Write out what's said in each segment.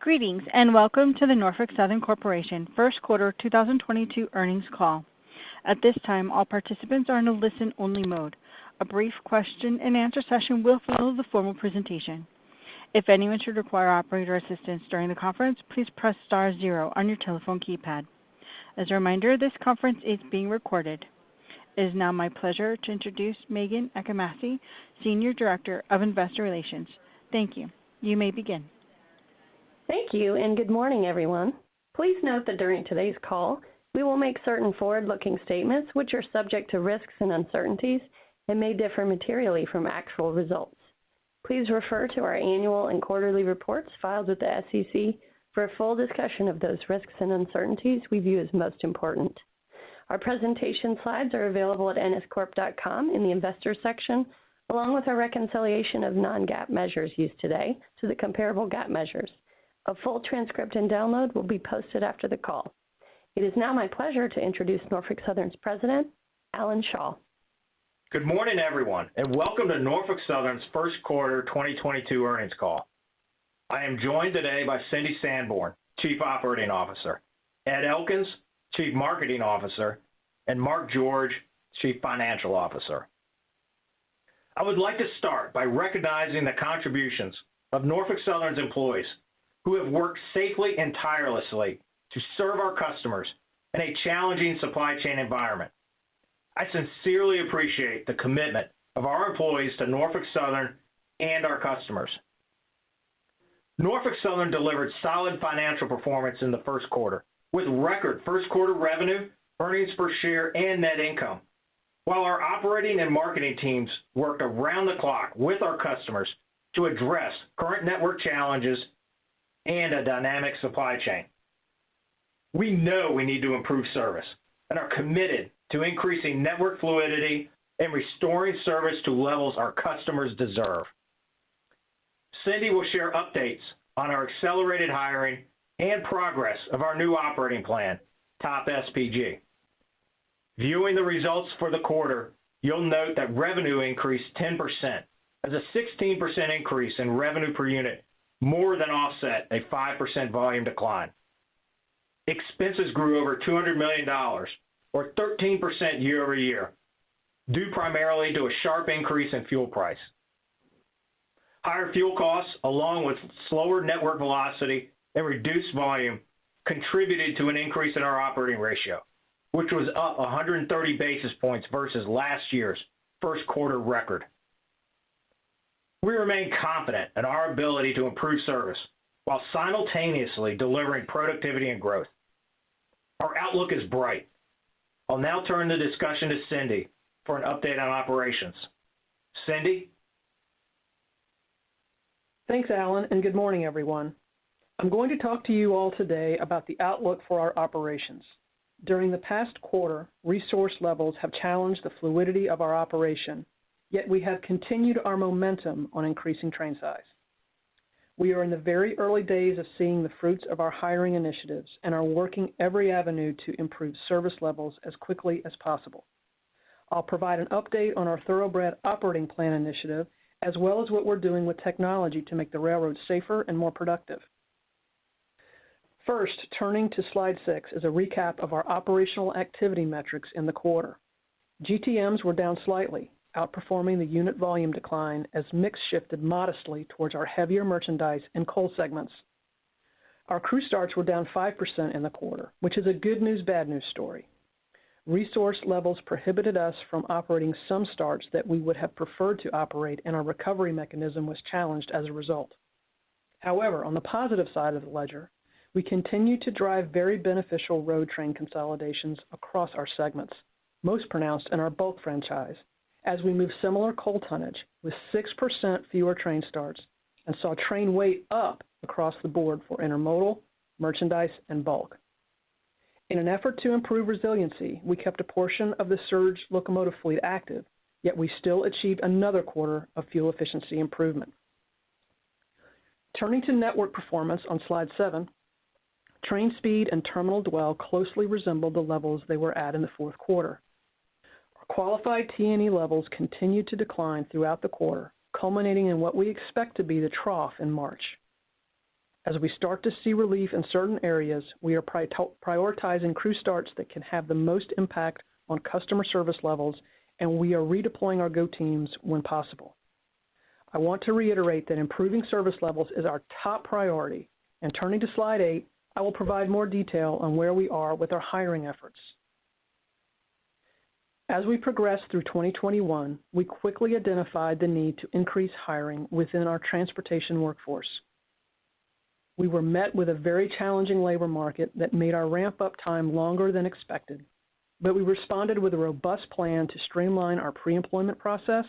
Greetings, and welcome to the Norfolk Southern Corporation first quarter 2022 earnings call. At this time, all participants are in a listen-only mode. A brief question-and-answer session will follow the formal presentation. If anyone should require operator assistance during the conference, please press star zero on your telephone keypad. As a reminder, this conference is being recorded. It is now my pleasure to introduce Meghan Achimasi, Senior Director of Investor Relations. Thank you. You may begin. Thank you, and good morning, everyone. Please note that during today's call, we will make certain forward-looking statements which are subject to risks and uncertainties and may differ materially from actual results. Please refer to our annual and quarterly reports filed with the SEC for a full discussion of those risks and uncertainties we view as most important. Our presentation slides are available at nscorp.com in the Investors section, along with our reconciliation of non-GAAP measures used today to the comparable GAAP measures. A full transcript and download will be posted after the call. It is now my pleasure to introduce Norfolk Southern's President, Alan Shaw. Good morning, everyone, and welcome to Norfolk Southern's first quarter 2022 earnings call. I am joined today by Cindy Sanborn, Chief Operating Officer, Ed Elkins, Chief Marketing Officer, and Mark George, Chief Financial Officer. I would like to start by recognizing the contributions of Norfolk Southern's employees, who have worked safely and tirelessly to serve our customers in a challenging supply chain environment. I sincerely appreciate the commitment of our employees to Norfolk Southern and our customers. Norfolk Southern delivered solid financial performance in the first quarter, with record first quarter revenue, earnings per share, and net income, while our operating and marketing teams worked around the clock with our customers to address current network challenges and a dynamic supply chain. We know we need to improve service and are committed to increasing network fluidity and restoring service to levels our customers deserve. Cindy will share updates on our accelerated hiring and progress of our new operating plan, TOP|SPG. Viewing the results for the quarter, you'll note that revenue increased 10% as a 16% increase in revenue per unit more than offset a 5% volume decline. Expenses grew over $200 million or 13% year-over-year, due primarily to a sharp increase in fuel price. Higher fuel costs along with slower network velocity and reduced volume contributed to an increase in our operating ratio, which was up 130 basis points versus last year's first quarter record. We remain confident in our ability to improve service while simultaneously delivering productivity and growth. Our outlook is bright. I'll now turn the discussion to Cindy for an update on operations. Cindy? Thanks, Alan, and good morning, everyone. I'm going to talk to you all today about the outlook for our operations. During the past quarter, resource levels have challenged the fluidity of our operation, yet we have continued our momentum on increasing train size. We are in the very early days of seeing the fruits of our hiring initiatives and are working every avenue to improve service levels as quickly as possible. I'll provide an update on our Thoroughbred Operating Plan initiative, as well as what we're doing with technology to make the railroad safer and more productive. First, turning to slide six is a recap of our operational activity metrics in the quarter. GTMs were down slightly, outperforming the unit volume decline as mix shifted modestly towards our heavier Merchandise and Coal segments. Our crew starts were down 5% in the quarter, which is a good news, bad news story. Resource levels prohibited us from operating some starts that we would have preferred to operate, and our recovery mechanism was challenged as a result. However, on the positive side of the ledger, we continue to drive very beneficial road train consolidations across our segments, most pronounced in our bulk franchise, as we move similar coal tonnage with 6% fewer train starts and saw train weight up across the board for intermodal, merchandise, and bulk. In an effort to improve resiliency, we kept a portion of the surge locomotive fleet active, yet we still achieved another quarter of fuel efficiency improvement. Turning to network performance on slide seven, train speed and terminal dwell closely resembled the levels they were at in the fourth quarter. Our qualified T&E levels continued to decline throughout the quarter, culminating in what we expect to be the trough in March. As we start to see relief in certain areas, we are prioritizing crew starts that can have the most impact on customer service levels, and we are redeploying our go teams when possible. I want to reiterate that improving service levels is our top priority. Turning to slide eight, I will provide more detail on where we are with our hiring efforts. As we progress through 2021, we quickly identified the need to increase hiring within our transportation workforce. We were met with a very challenging labor market that made our ramp-up time longer than expected, but we responded with a robust plan to streamline our pre-employment process,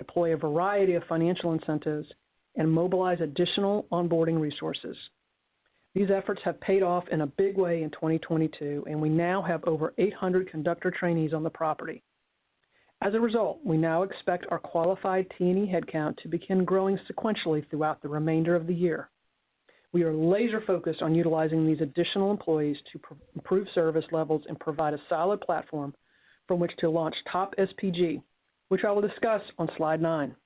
deploy a variety of financial incentives, and mobilize additional onboarding resources. These efforts have paid off in a big way in 2022, and we now have over 800 conductor trainees on the property. As a result, we now expect our qualified T&E headcount to begin growing sequentially throughout the remainder of the year. We are laser-focused on utilizing these additional employees to improve service levels and provide a solid platform from which to launch TOP|SPG, which I will discuss on slide nine.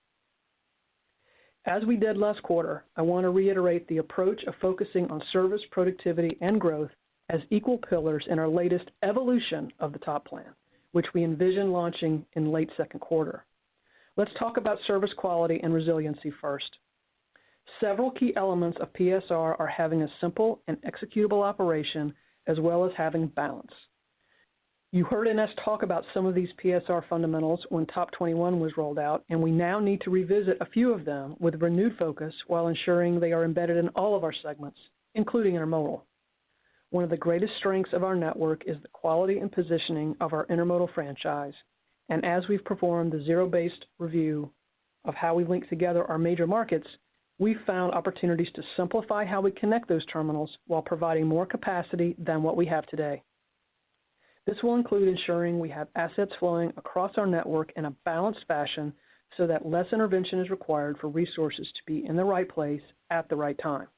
As we did last quarter, I want to reiterate the approach of focusing on service, productivity, and growth as equal pillars in our latest evolution of the TOP plan, which we envision launching in late second quarter. Let's talk about service quality and resiliency first. Several key elements of PSR are having a simple and executable operation as well as having balance. You heard Ines talk about some of these PSR fundamentals when TOP 21 was rolled out, and we now need to revisit a few of them with renewed focus while ensuring they are embedded in all of our segments, including Intermodal. One of the greatest strengths of our network is the quality and positioning of our Intermodal franchise. As we've performed the zero-based review of how we link together our major markets, we found opportunities to simplify how we connect those terminals while providing more capacity than what we have today. This will include ensuring we have assets flowing across our network in a balanced fashion so that less intervention is required for resources to be in the right place at the right time.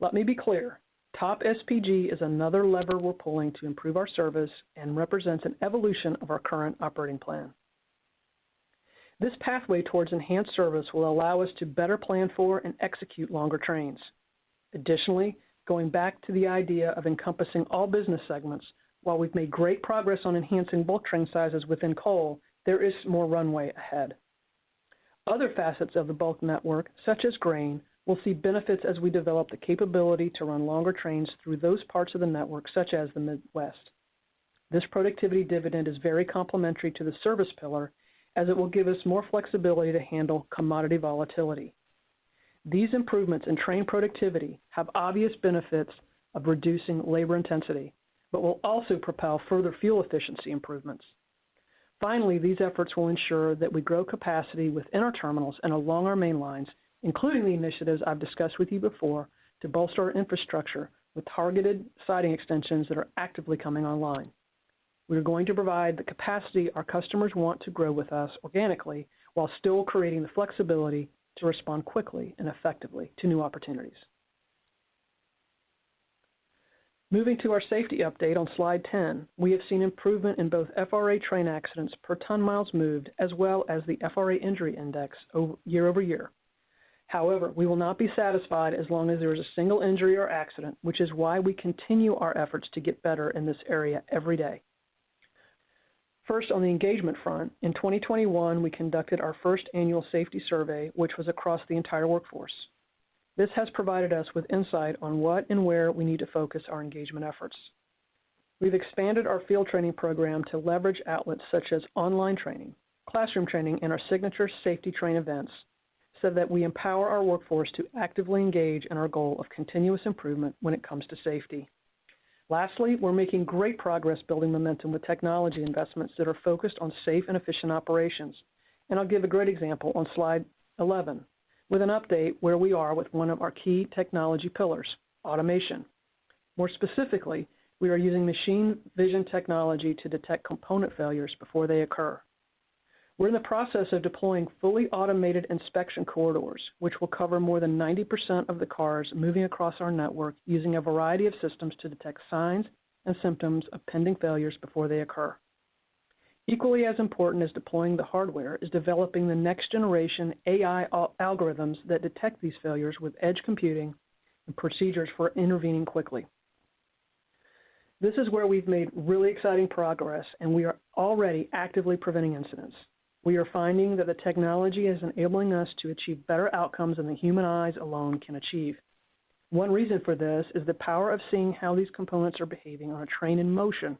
Let me be clear, TOP SPG is another lever we're pulling to improve our service and represents an evolution of our current operating plan. This pathway towards enhanced service will allow us to better plan for and execute longer trains. Additionally, going back to the idea of encompassing all business segments, while we've made great progress on enhancing bulk train sizes within coal, there is more runway ahead. Other facets of the bulk network, such as grain, will see benefits as we develop the capability to run longer trains through those parts of the network, such as the Midwest. This productivity dividend is very complementary to the service pillar as it will give us more flexibility to handle commodity volatility. These improvements in train productivity have obvious benefits of reducing labor intensity but will also propel further fuel efficiency improvements. Finally, these efforts will ensure that we grow capacity within our terminals and along our main lines, including the initiatives I've discussed with you before, to bolster our infrastructure with targeted siding extensions that are actively coming online. We are going to provide the capacity our customers want to grow with us organically while still creating the flexibility to respond quickly and effectively to new opportunities. Moving to our safety update on slide 10, we have seen improvement in both FRA train accidents per ton miles moved, as well as the FRA injury index year-over-year. However, we will not be satisfied as long as there is a single injury or accident, which is why we continue our efforts to get better in this area every day. First, on the engagement front, in 2021, we conducted our first annual safety survey, which was across the entire workforce. This has provided us with insight on what and where we need to focus our engagement efforts. We've expanded our field training program to leverage outlets such as online training, classroom training, and our signature safety train events, so that we empower our workforce to actively engage in our goal of continuous improvement when it comes to safety. Lastly, we're making great progress building momentum with technology investments that are focused on safe and efficient operations. I'll give a great example on slide 11 with an update where we are with one of our key technology pillars, automation. More specifically, we are using machine vision technology to detect component failures before they occur. We're in the process of deploying fully automated inspection corridors, which will cover more than 90% of the cars moving across our network, using a variety of systems to detect signs and symptoms of pending failures before they occur. Equally as important as deploying the hardware is developing the next generation AI algorithms that detect these failures with edge computing and procedures for intervening quickly. This is where we've made really exciting progress, and we are already actively preventing incidents. We are finding that the technology is enabling us to achieve better outcomes than the human eyes alone can achieve. One reason for this is the power of seeing how these components are behaving on a train in motion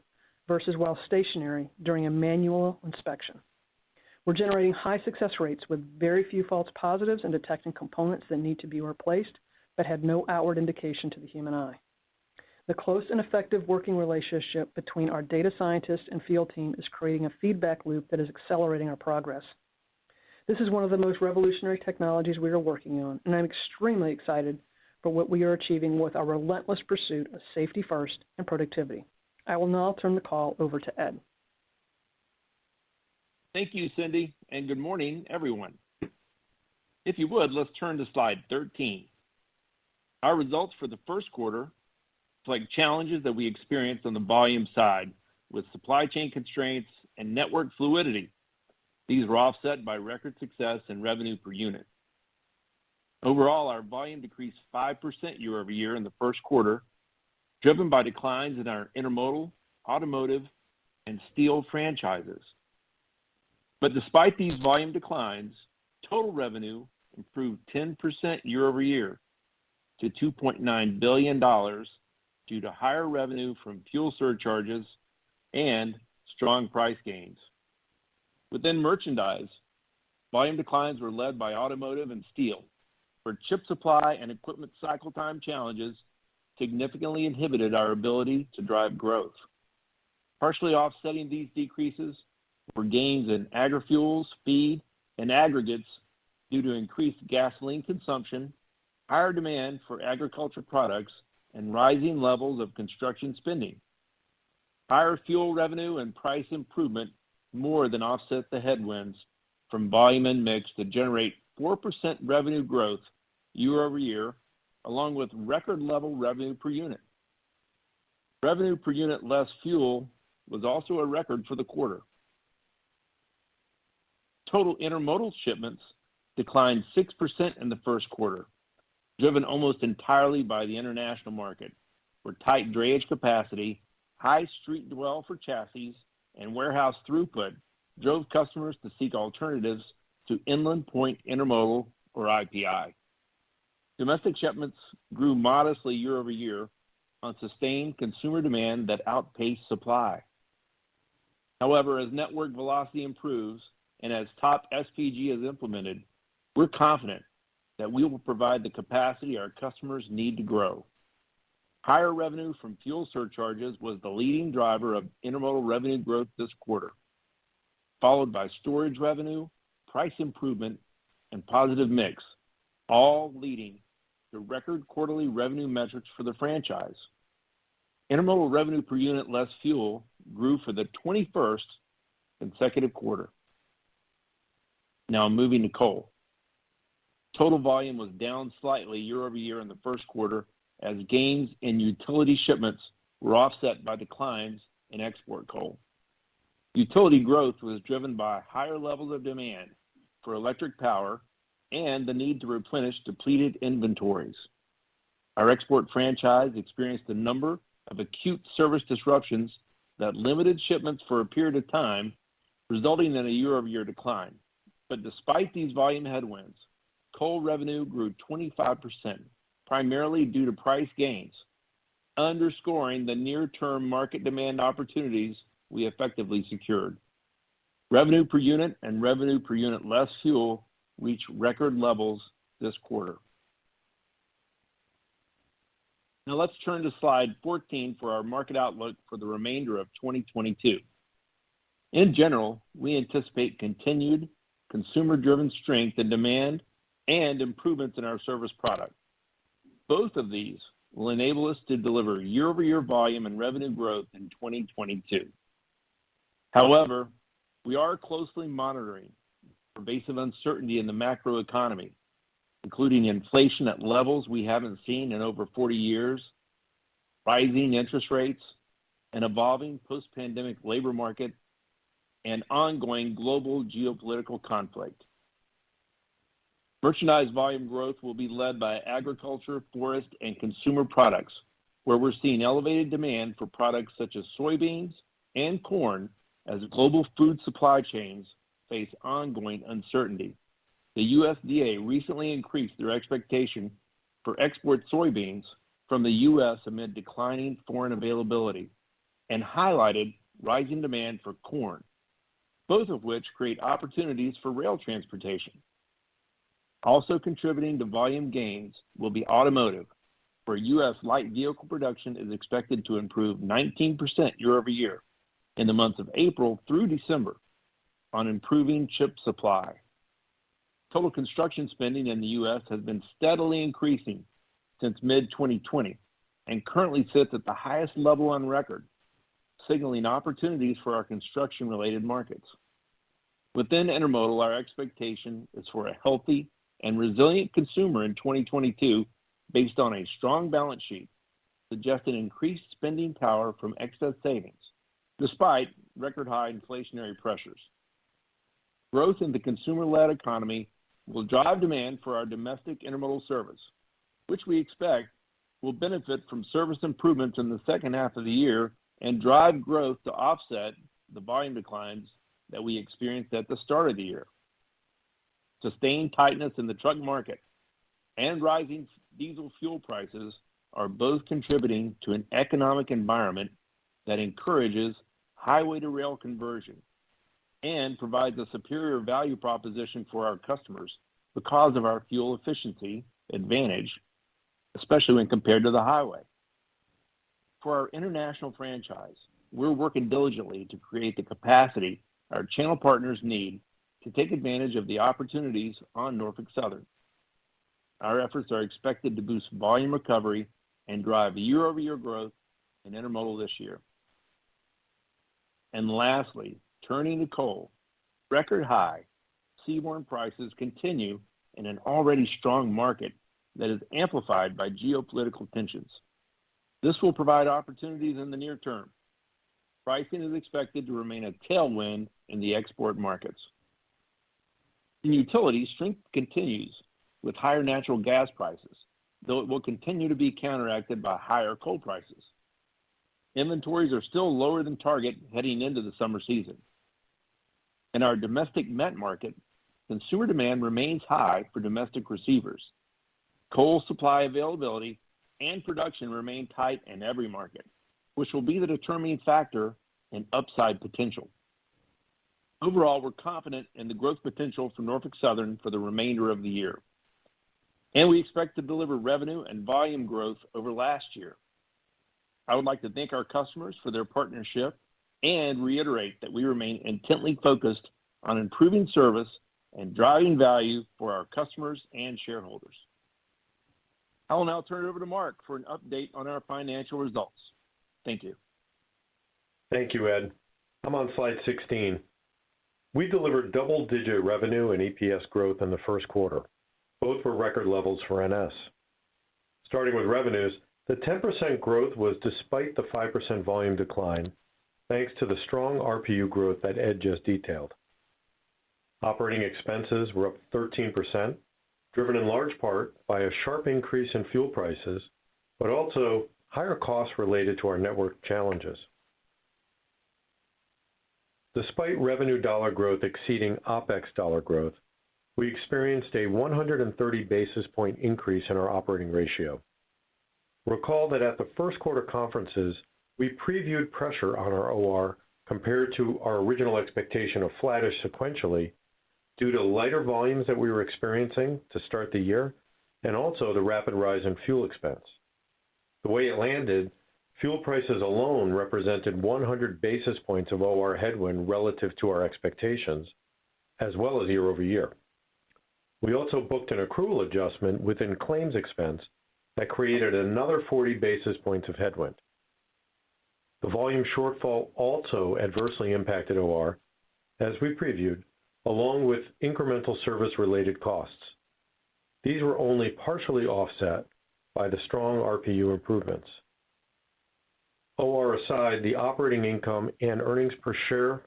versus while stationary during a manual inspection. We're generating high success rates with very few false positives in detecting components that need to be replaced but had no outward indication to the human eye. The close and effective working relationship between our data scientists and field team is creating a feedback loop that is accelerating our progress. This is one of the most revolutionary technologies we are working on, and I'm extremely excited for what we are achieving with our relentless pursuit of safety first and productivity. I will now turn the call over to Ed Elkins. Thank you, Cindy, and good morning, everyone. If you would, let's turn to slide 13. Our results for the first quarter reflect challenges that we experienced on the volume side with supply chain constraints and network fluidity. These were offset by record success in revenue per unit. Overall, our volume decreased 5% year-over-year in the first quarter, driven by declines in our Intermodal, Automotive, and Steel franchises. Despite these volume declines, total revenue improved 10% year-over-year to $2.9 billion due to higher revenue from fuel surcharges and strong price gains. Within Merchandise, volume declines were led by Automotive and Steel, where chip supply and equipment cycle time challenges significantly inhibited our ability to drive growth. Partially offsetting these decreases were gains in agri fuels, feed, and aggregates due to increased gasoline consumption, higher demand for agriculture products, and rising levels of construction spending. Higher fuel revenue and price improvement more than offset the headwinds from volume and mix to generate 4% revenue growth year-over-year, along with record level revenue per unit. Revenue per unit less fuel was also a record for the quarter. Total intermodal shipments declined 6% in the first quarter, driven almost entirely by the international market, where tight drayage capacity, high street dwell for chassis, and warehouse throughput drove customers to seek alternatives to inland point intermodal or IPI. Domestic shipments grew modestly year-over-year on sustained consumer demand that outpaced supply. However, as network velocity improves and as TOP|SPG is implemented, we're confident that we will provide the capacity our customers need to grow. Higher revenue from fuel surcharges was the leading driver of intermodal revenue growth this quarter, followed by storage revenue, price improvement, and positive mix, all leading to record quarterly revenue metrics for the franchise. Intermodal revenue per unit less fuel grew for the 21st consecutive quarter. Now moving to coal. Total volume was down slightly year-over-year in the first quarter as gains in utility shipments were offset by declines in export coal. Utility growth was driven by higher levels of demand for electric power and the need to replenish depleted inventories. Our export franchise experienced a number of acute service disruptions that limited shipments for a period of time, resulting in a year-over-year decline. Despite these volume headwinds, coal revenue grew 25%, primarily due to price gains, underscoring the near-term market demand opportunities we effectively secured. Revenue per unit and revenue per unit less fuel reached record levels this quarter. Now let's turn to slide 14 for our market outlook for the remainder of 2022. In general, we anticipate continued consumer-driven strength and demand and improvements in our service product. Both of these will enable us to deliver year-over-year volume and revenue growth in 2022. However, we are closely monitoring pervasive uncertainty in the macro economy, including inflation at levels we haven't seen in over 40 years, rising interest rates, an evolving post-pandemic labor market, and ongoing global geopolitical conflict. Merchandise volume growth will be led by agriculture, forest, and consumer products, where we're seeing elevated demand for products such as soybeans and corn as global food supply chains face ongoing uncertainty. The USDA recently increased their expectation for export soybeans from the U.S. amid declining foreign availability and highlighted rising demand for corn, both of which create opportunities for rail transportation. Also contributing to volume gains will be automotive, where U.S. light vehicle production is expected to improve 19% year-over-year in the months of April through December on improving chip supply. Total construction spending in the U.S. has been steadily increasing since mid-2020 and currently sits at the highest level on record, signaling opportunities for our construction-related markets. Within intermodal, our expectation is for a healthy and resilient consumer in 2022 based on a strong balance sheet, suggesting increased spending power from excess savings despite record high inflationary pressures. Growth in the consumer-led economy will drive demand for our domestic Intermodal service, which we expect will benefit from service improvements in the second half of the year and drive growth to offset the volume declines that we experienced at the start of the year. Sustained tightness in the truck market and rising diesel fuel prices are both contributing to an economic environment that encourages highway-to-rail conversion and provides a superior value proposition for our customers because of our fuel efficiency advantage, especially when compared to the highway. For our international franchise, we're working diligently to create the capacity our channel partners need to take advantage of the opportunities on Norfolk Southern. Our efforts are expected to boost volume recovery and drive year-over-year growth in Intermodal this year. Lastly, turning to coal. Record high seaborne prices continue in an already strong market that is amplified by geopolitical tensions. This will provide opportunities in the near term. Pricing is expected to remain a tailwind in the export markets. In utilities, strength continues with higher natural gas prices, though it will continue to be counteracted by higher coal prices. Inventories are still lower than target heading into the summer season. In our domestic met market, consumer demand remains high for domestic receivers. Coal supply availability and production remain tight in every market, which will be the determining factor in upside potential. Overall, we're confident in the growth potential for Norfolk Southern for the remainder of the year, and we expect to deliver revenue and volume growth over last year. I would like to thank our customers for their partnership and reiterate that we remain intently focused on improving service and driving value for our customers and shareholders. I will now turn it over to Mark for an update on our financial results. Thank you. Thank you, Ed. I'm on slide 16. We delivered double-digit revenue and EPS growth in the first quarter. Both were record levels for NS. Starting with revenues, the 10% growth was despite the 5% volume decline, thanks to the strong RPU growth that Ed just detailed. Operating expenses were up 13%, driven in large part by a sharp increase in fuel prices, but also higher costs related to our network challenges. Despite revenue dollar growth exceeding OpEx dollar growth, we experienced a 130 basis point increase in our operating ratio. Recall that at the first quarter conferences, we previewed pressure on our OR compared to our original expectation of flattish sequentially due to lighter volumes that we were experiencing to start the year and also the rapid rise in fuel expense. The way it landed, fuel prices alone represented 100 basis points of OR headwind relative to our expectations as well as year-over-year. We also booked an accrual adjustment within claims expense that created another 40 basis points of headwind. The volume shortfall also adversely impacted OR as we previewed, along with incremental service-related costs. These were only partially offset by the strong RPU improvements. OR aside, the operating income and earnings per share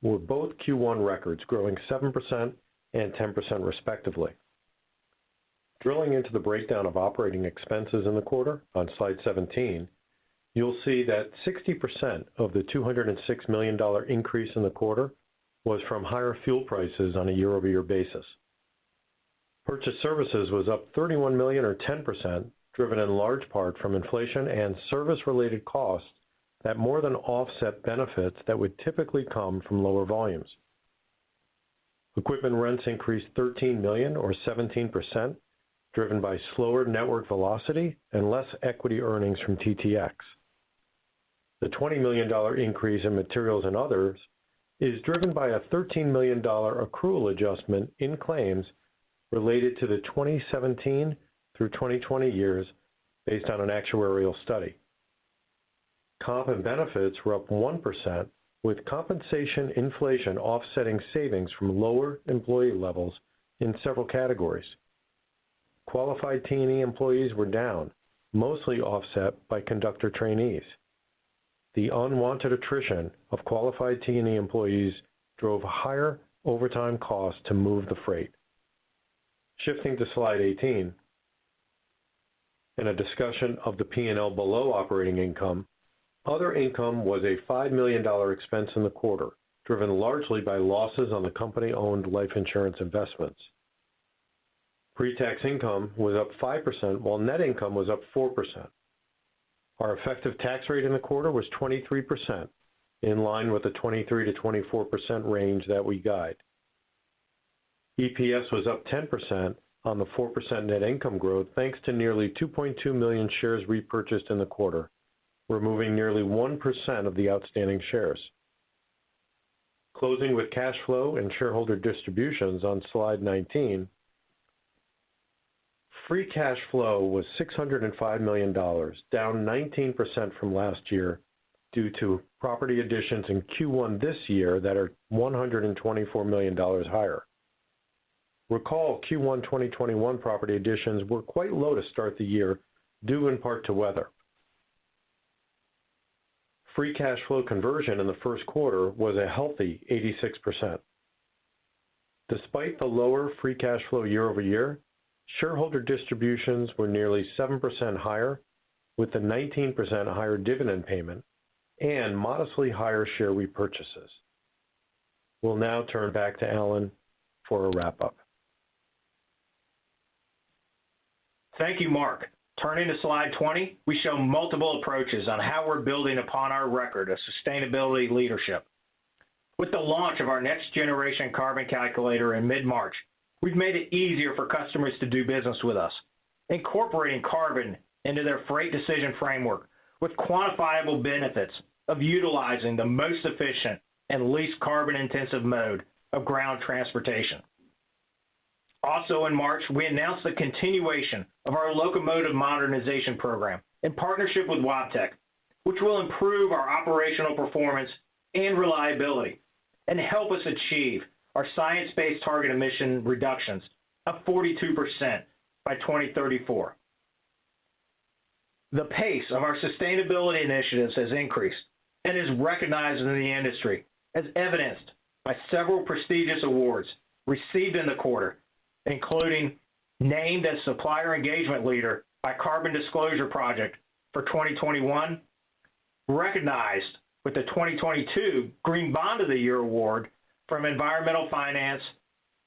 were both Q1 records growing 7% and 10% respectively. Drilling into the breakdown of operating expenses in the quarter on slide 17, you'll see that 60% of the $206 million increase in the quarter was from higher fuel prices on a year-over-year basis. Purchased services was up $31 million or 10%, driven in large part from inflation and service-related costs that more than offset benefits that would typically come from lower volumes. Equipment rents increased $13 million or 17%, driven by slower network velocity and less equity earnings from TTX. The $20 million increase in materials and others is driven by a $13 million accrual adjustment in claims related to the 2017 through 2020 years based on an actuarial study. Comp and benefits were up 1%, with compensation inflation offsetting savings from lower employee levels in several categories. Qualified T&E employees were down, mostly offset by conductor trainees. The unwanted attrition of qualified T&E employees drove higher overtime costs to move the freight. Shifting to slide 18, in a discussion of the P&L below operating income, other income was a $5 million expense in the quarter, driven largely by losses on the company-owned life insurance investments. Pre-tax income was up 5%, while net income was up 4%. Our effective tax rate in the quarter was 23%, in line with the 23%-24% range that we guide. EPS was up 10% on the 4% net income growth, thanks to nearly 2.2 million shares repurchased in the quarter, removing nearly 1% of the outstanding shares. Closing with cash flow and shareholder distributions on slide 19, free cash flow was $605 million, down 19% from last year due to property additions in Q1 this year that are $124 million higher. Recall Q1 2021 property additions were quite low to start the year, due in part to weather. Free cash flow conversion in the first quarter was a healthy 86%. Despite the lower free cash flow year-over-year, shareholder distributions were nearly 7% higher, with the 19% higher dividend payment and modestly higher share repurchases. We'll now turn back to Alan for a wrap-up. Thank you, Mark. Turning to slide 20, we show multiple approaches on how we're building upon our record of sustainability leadership. With the launch of our next generation carbon calculator in mid-March, we've made it easier for customers to do business with us, incorporating carbon into their freight decision framework with quantifiable benefits of utilizing the most efficient and least carbon-intensive mode of ground transportation. Also in March, we announced the continuation of our locomotive modernization program in partnership with Wabtec, which will improve our operational performance and reliability and help us achieve our science-based target emission reductions of 42% by 2034. The pace of our sustainability initiatives has increased and is recognized in the industry as evidenced by several prestigious awards received in the quarter, including named as Supplier Engagement Leader by Carbon Disclosure Project for 2021, recognized with the 2022 Green Bond of the Year award from Environmental Finance,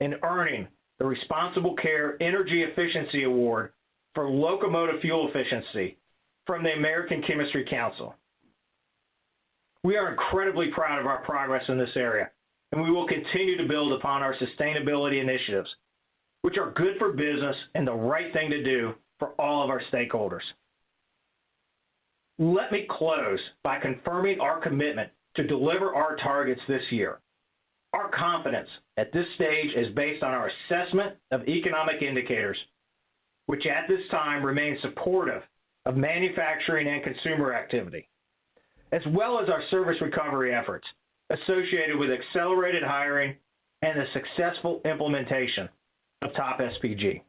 and earning the Responsible Care Energy Efficiency Award for locomotive fuel efficiency from the American Chemistry Council. We are incredibly proud of our progress in this area, and we will continue to build upon our sustainability initiatives, which are good for business and the right thing to do for all of our stakeholders. Let me close by confirming our commitment to deliver our targets this year. Our confidence at this stage is based on our assessment of economic indicators, which at this time remains supportive of manufacturing and consumer activity, as well as our service recovery efforts associated with accelerated hiring and the successful implementation of Top SPG.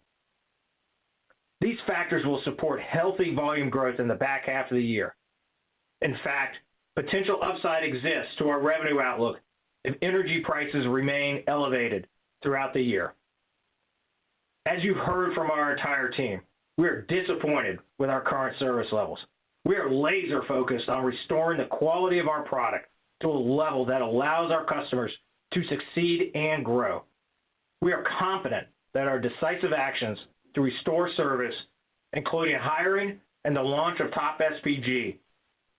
These factors will support healthy volume growth in the back half of the year. In fact, potential upside exists to our revenue outlook if energy prices remain elevated throughout the year. As you've heard from our entire team, we are disappointed with our current service levels. We are laser focused on restoring the quality of our product to a level that allows our customers to succeed and grow. We are confident that our decisive actions to restore service, including hiring and the launch of Top SPG,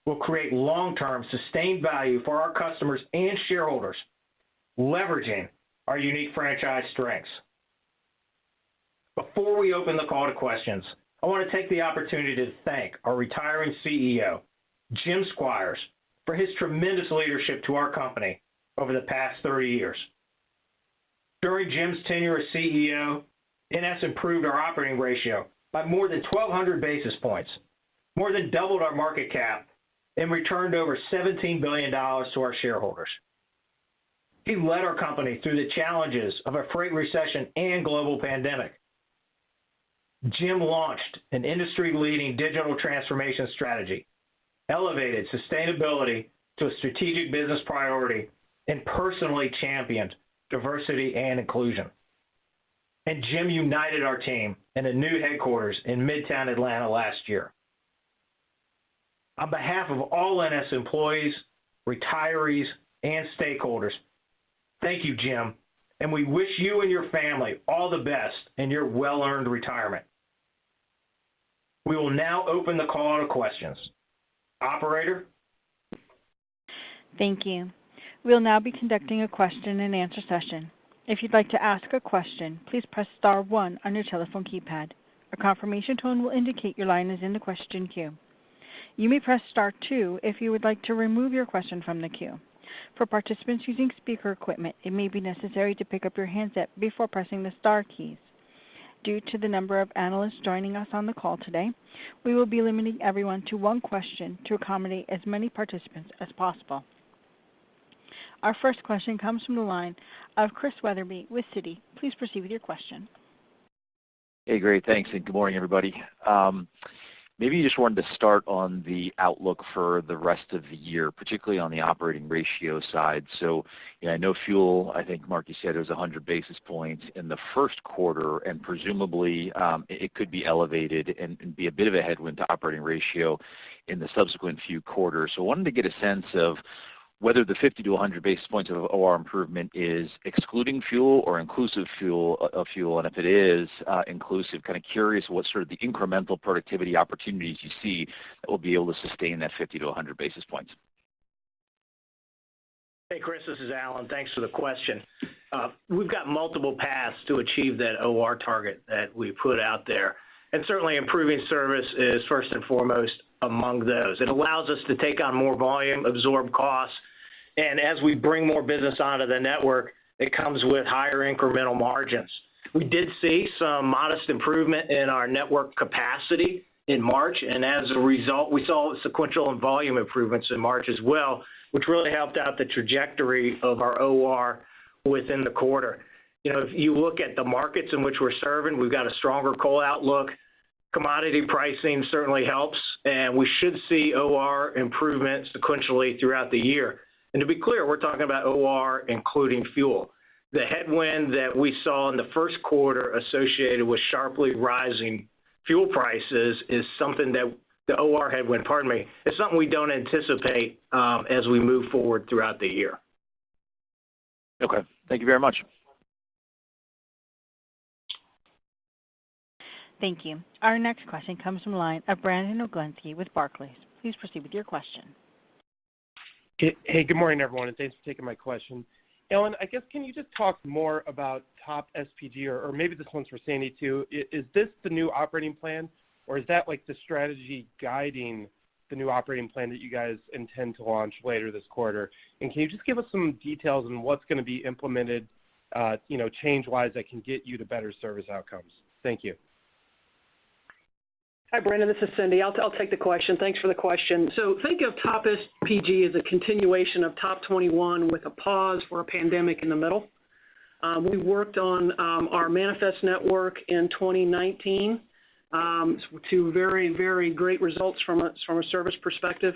will create long-term sustained value for our customers and shareholders, leveraging our unique franchise strengths. Before we open the call to questions, I want to take the opportunity to thank our retiring CEO, Jim Squires, for his tremendous leadership to our company over the past 30 years. During Jim's tenure as CEO, NS improved our operating ratio by more than 1,200 basis points, more than doubled our market cap, and returned over $17 billion to our shareholders. He led our company through the challenges of a freight recession and global pandemic. Jim launched an industry-leading digital transformation strategy, elevated sustainability to a strategic business priority, and personally championed diversity and inclusion. Jim united our team in a new headquarters in Midtown Atlanta last year. On behalf of all NS employees, retirees, and stakeholders, thank you, Jim, and we wish you and your family all the best in your well-earned retirement. We will now open the call to questions. Operator? Thank you. We'll now be conducting a question-and-answer session. If you'd like to ask a question, please press star one on your telephone keypad. A confirmation tone will indicate your line is in the question queue. You may press star two if you would like to remove your question from the queue. For participants using speaker equipment, it may be necessary to pick up your handset before pressing the star keys. Due to the number of analysts joining us on the call today, we will be limiting everyone to one question to accommodate as many participants as possible. Our first question comes from the line of Chris Wetherbee with Citi. Please proceed with your question. Hey, great. Thanks, and good morning, everybody. Maybe you just wanted to start on the outlook for the rest of the year, particularly on the operating ratio side. Yeah, I know fuel, I think, Mark, you said it was 100 basis points in the first quarter, and presumably, it could be elevated and be a bit of a headwind to operating ratio in the subsequent few quarters. I wanted to get a sense of whether the 50-100 basis points of OR improvement is excluding fuel or inclusive of fuel. If it is inclusive, kind of curious what sort of the incremental productivity opportunities you see that will be able to sustain that 50-100 basis points. Hey, Chris, this is Alan. Thanks for the question. We've got multiple paths to achieve that OR target that we put out there. Certainly improving service is first and foremost among those. It allows us to take on more volume, absorb costs, and as we bring more business onto the network, it comes with higher incremental margins. We did see some modest improvement in our network capacity in March, and as a result, we saw sequential and volume improvements in March as well, which really helped out the trajectory of our OR within the quarter. You know, if you look at the markets in which we're serving, we've got a stronger coal outlook. Commodity pricing certainly helps, and we should see OR improvements sequentially throughout the year. To be clear, we're talking about OR including fuel. The headwind that we saw in the first quarter associated with sharply rising fuel prices is the OR headwind, pardon me, something we don't anticipate as we move forward throughout the year. Okay. Thank you very much. Thank you. Our next question comes from the line of Brandon Oglenski with Barclays. Please proceed with your question. Hey, good morning, everyone, and thanks for taking my question. Alan, I guess, can you just talk more about Top SPG, or maybe this one's for Cindy too. Is this the new operating plan, or is that, like, the strategy guiding the new operating plan that you guys intend to launch later this quarter? Can you just give us some details on what's gonna be implemented, you know, change-wise that can get you to better service outcomes? Thank you. Hi, Brandon, this is Cindy. I'll take the question. Thanks for the question. Think of TOP|SPG as a continuation of TOP 21 with a pause for a pandemic in the middle. We worked on our manifest network in 2019 to very, very great results from a service perspective.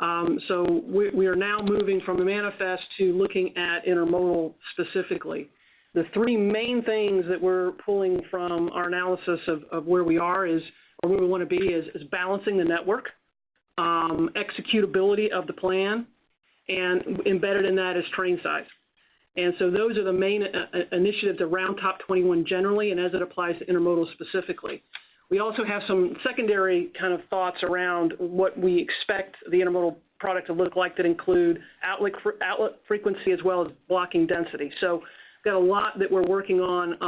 We are now moving from the manifest to looking at intermodal specifically. The three main things that we're pulling from our analysis of where we are or where we wanna be is balancing the network, executability of the plan, and embedded in that is train size. Those are the main initiatives around TOP 21 generally, and as it applies to intermodal specifically. We also have some secondary kind of thoughts around what we expect the intermodal product to look like that include outlet frequency as well as blocking density. Got a lot that we're working on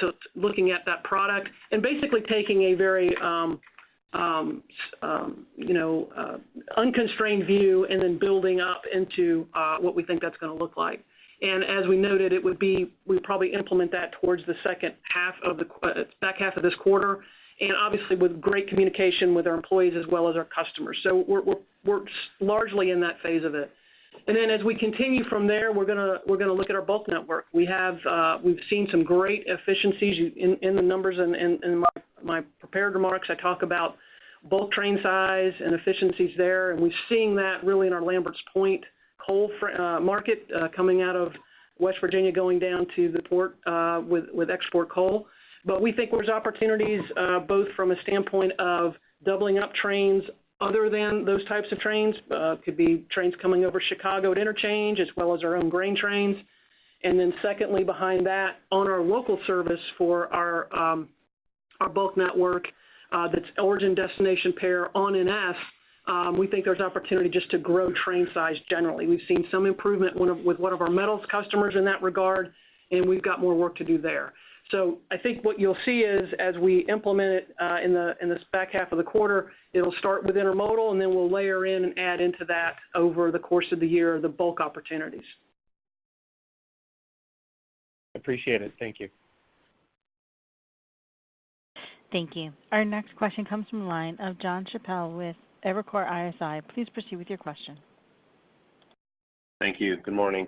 to looking at that product and basically taking a very you know, unconstrained view and then building up into what we think that's gonna look like. As we noted, it would be we'd probably implement that towards the back half of this quarter. Obviously, with great communication with our employees as well as our customers. We're largely in that phase of it. Then as we continue from there, we're gonna look at our bulk network. We've seen some great efficiencies in my prepared remarks. I talk about bulk train size and efficiencies there. We've seen that really in our Lamberts Point coal market, coming out of West Virginia, going down to the port, with export coal. We think there's opportunities, both from a standpoint of doubling up trains other than those types of trains, could be trains coming over Chicago at interchange, as well as our own grain trains. Then secondly, behind that, on our local service for our bulk network, that's origin destination pair on NS, we think there's opportunity just to grow train size generally. We've seen some improvement with one of our metals customers in that regard, and we've got more work to do there. I think what you'll see is as we implement it, in the back half of the quarter, it'll start with Intermodal, and then we'll layer in and add into that over the course of the year, the bulk opportunities. Appreciate it. Thank you. Thank you. Our next question comes from the line of Jon Chappell with Evercore ISI. Please proceed with your question. Thank you. Good morning.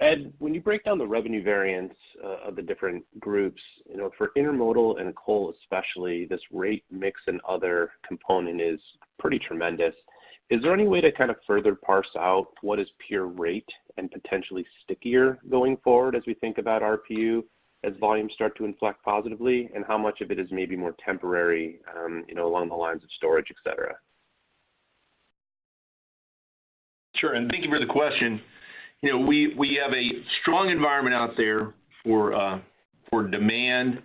Ed, when you break down the revenue variance of the different groups, you know, for Intermodal and Coal especially, this rate mix and other component is pretty tremendous. Is there any way to kind of further parse out what is pure rate and potentially stickier going forward as we think about RPU, as volumes start to inflect positively, and how much of it is maybe more temporary, you know, along the lines of storage, et cetera? Sure, thank you for the question. You know, we have a strong environment out there for demand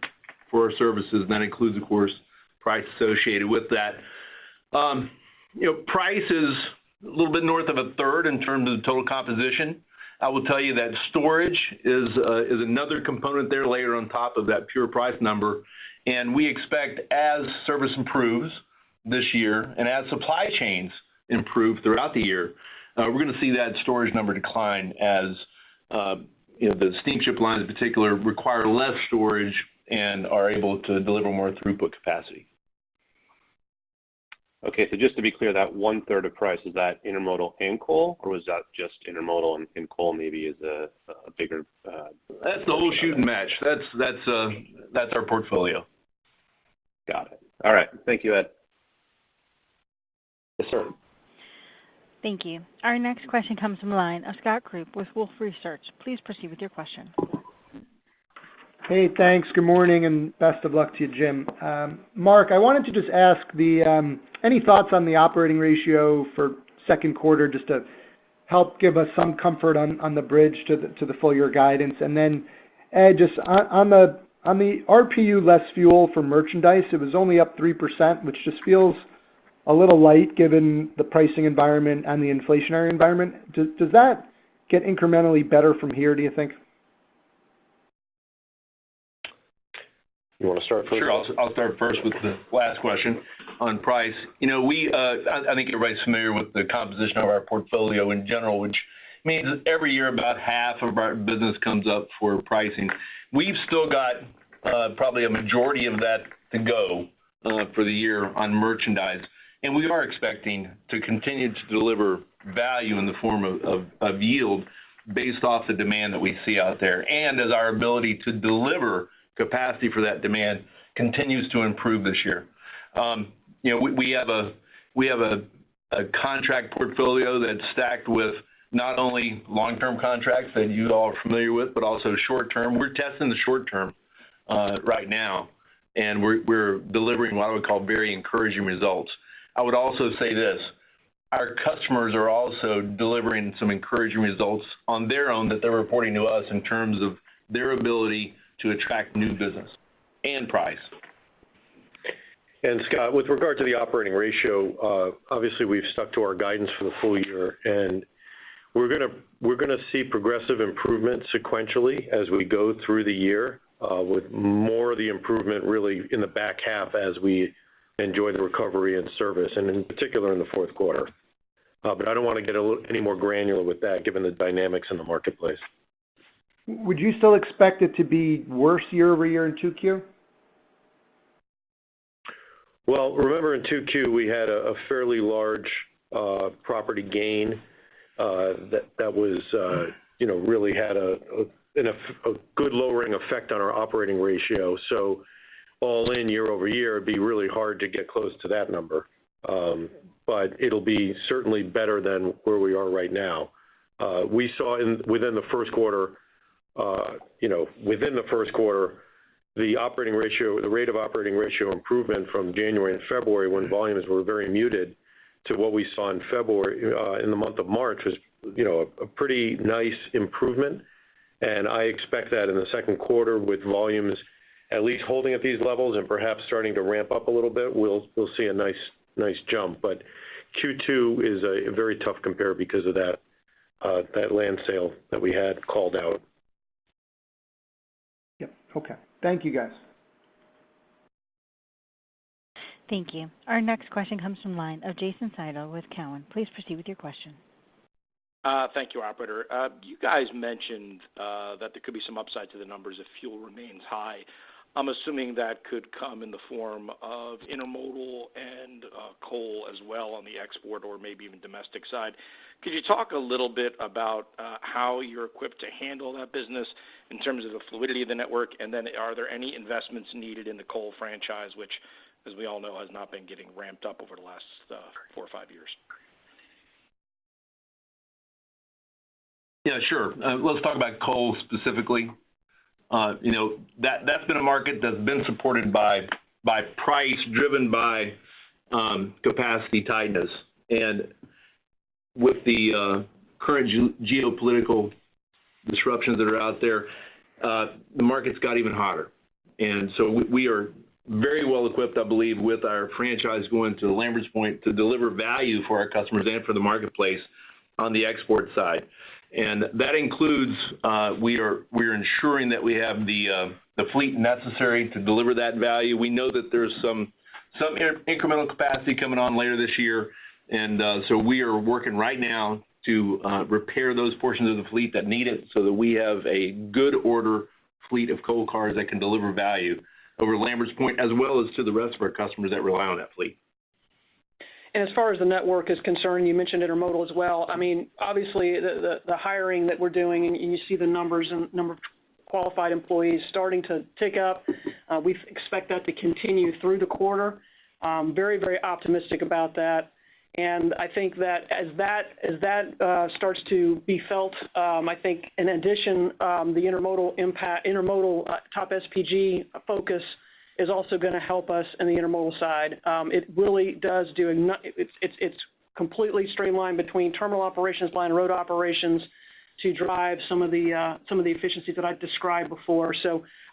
for our services, and that includes, of course, price associated with that. You know, price is a little bit north of a third in terms of the total composition. I will tell you that storage is another component there layered on top of that pure price number. We expect as service improves this year and as supply chains improve throughout the year, we're gonna see that storage number decline as, you know, the steamship lines in particular require less storage and are able to deliver more throughput capacity. Okay. Just to be clear, that one-third of price, is that intermodal and coal, or is that just intermodal and coal maybe is a bigger? That's the whole shooting match. That's our portfolio. Got it. All right. Thank you, Ed. Yes, sir. Thank you. Our next question comes from the line of Scott Group with Wolfe Research. Please proceed with your question. Hey, thanks. Good morning, and best of luck to you, Jim. Mark, I wanted to just ask any thoughts on the operating ratio for second quarter just to help give us some comfort on the bridge to the full year guidance. Ed, just on the RPU less fuel for merchandise, it was only up 3%, which just feels a little light given the pricing environment and the inflationary environment. Does that get incrementally better from here, do you think? You wanna start first? Sure. I'll start first with the last question on price. You know, I think everybody's familiar with the composition of our portfolio in general, which means every year, about half of our business comes up for pricing. We've still got probably a majority of that to go for the year on Merchandise, and we are expecting to continue to deliver value in the form of yield based off the demand that we see out there and as our ability to deliver capacity for that demand continues to improve this year. You know, we have a contract portfolio that's stacked with not only long-term contracts that you all are familiar with, but also short term. We're testing the short term right now, and we're delivering what I would call very encouraging results. I would also say this, our customers are also delivering some encouraging results on their own that they're reporting to us in terms of their ability to attract new business and price. Scott, with regard to the operating ratio, obviously we've stuck to our guidance for the full year, and we're gonna see progressive improvement sequentially as we go through the year, with more of the improvement really in the back half as we enjoy the recovery and service, and in particular in the fourth quarter. But I don't wanna get any more granular with that given the dynamics in the marketplace. Would you still expect it to be worse year-over-year in 2Q? Remember in 2Q, we had a fairly large property gain that was, you know, really had a good lowering effect on our operating ratio. All in, year-over-year, it'd be really hard to get close to that number. It'll certainly be better than where we are right now. We saw within the first quarter, you know, within the first quarter, the operating ratio, the rate of operating ratio improvement from January and February when volumes were very muted to what we saw in February in the month of March was, you know, a pretty nice improvement. I expect that in the second quarter with volumes at least holding at these levels and perhaps starting to ramp up a little bit, we'll see a nice jump. Q2 is a very tough compare because of that land sale that we had called out. Yep. Okay. Thank you, guys. Thank you. Our next question comes from the line of Jason Seidl with Cowen. Please proceed with your question. Thank you, operator. You guys mentioned that there could be some upside to the numbers if fuel remains high. I'm assuming that could come in the form of intermodal and coal as well on the export or maybe even domestic side. Could you talk a little bit about how you're equipped to handle that business in terms of the fluidity of the network? Are there any investments needed in the coal franchise which, as we all know, has not been getting ramped up over the last four or five years? Yeah, sure. Let's talk about coal specifically. You know, that's been a market that's been supported by price driven by capacity tightness. With the current geopolitical disruptions that are out there, the market's got even hotter. We are very well equipped, I believe, with our franchise going to Lamberts Point to deliver value for our customers and for the marketplace on the export side. That includes, we're ensuring that we have the fleet necessary to deliver that value. We know that there's some incremental capacity coming on later this year. We are working right now to repair those portions of the fleet that need it so that we have a good order fleet of coal cars that can deliver value over Lambert's Point as well as to the rest of our customers that rely on that fleet. As far as the network is concerned, you mentioned intermodal as well. I mean, obviously, the hiring that we're doing, and you see the numbers and number of qualified employees starting to tick up. We expect that to continue through the quarter. Very optimistic about that. I think that as that starts to be felt, I think in addition, the intermodal impact. Intermodal TOP|SPG focus is also gonna help us in the intermodal side. It really does. It's completely streamlined between terminal operations, line and road operations to drive some of the efficiencies that I've described before.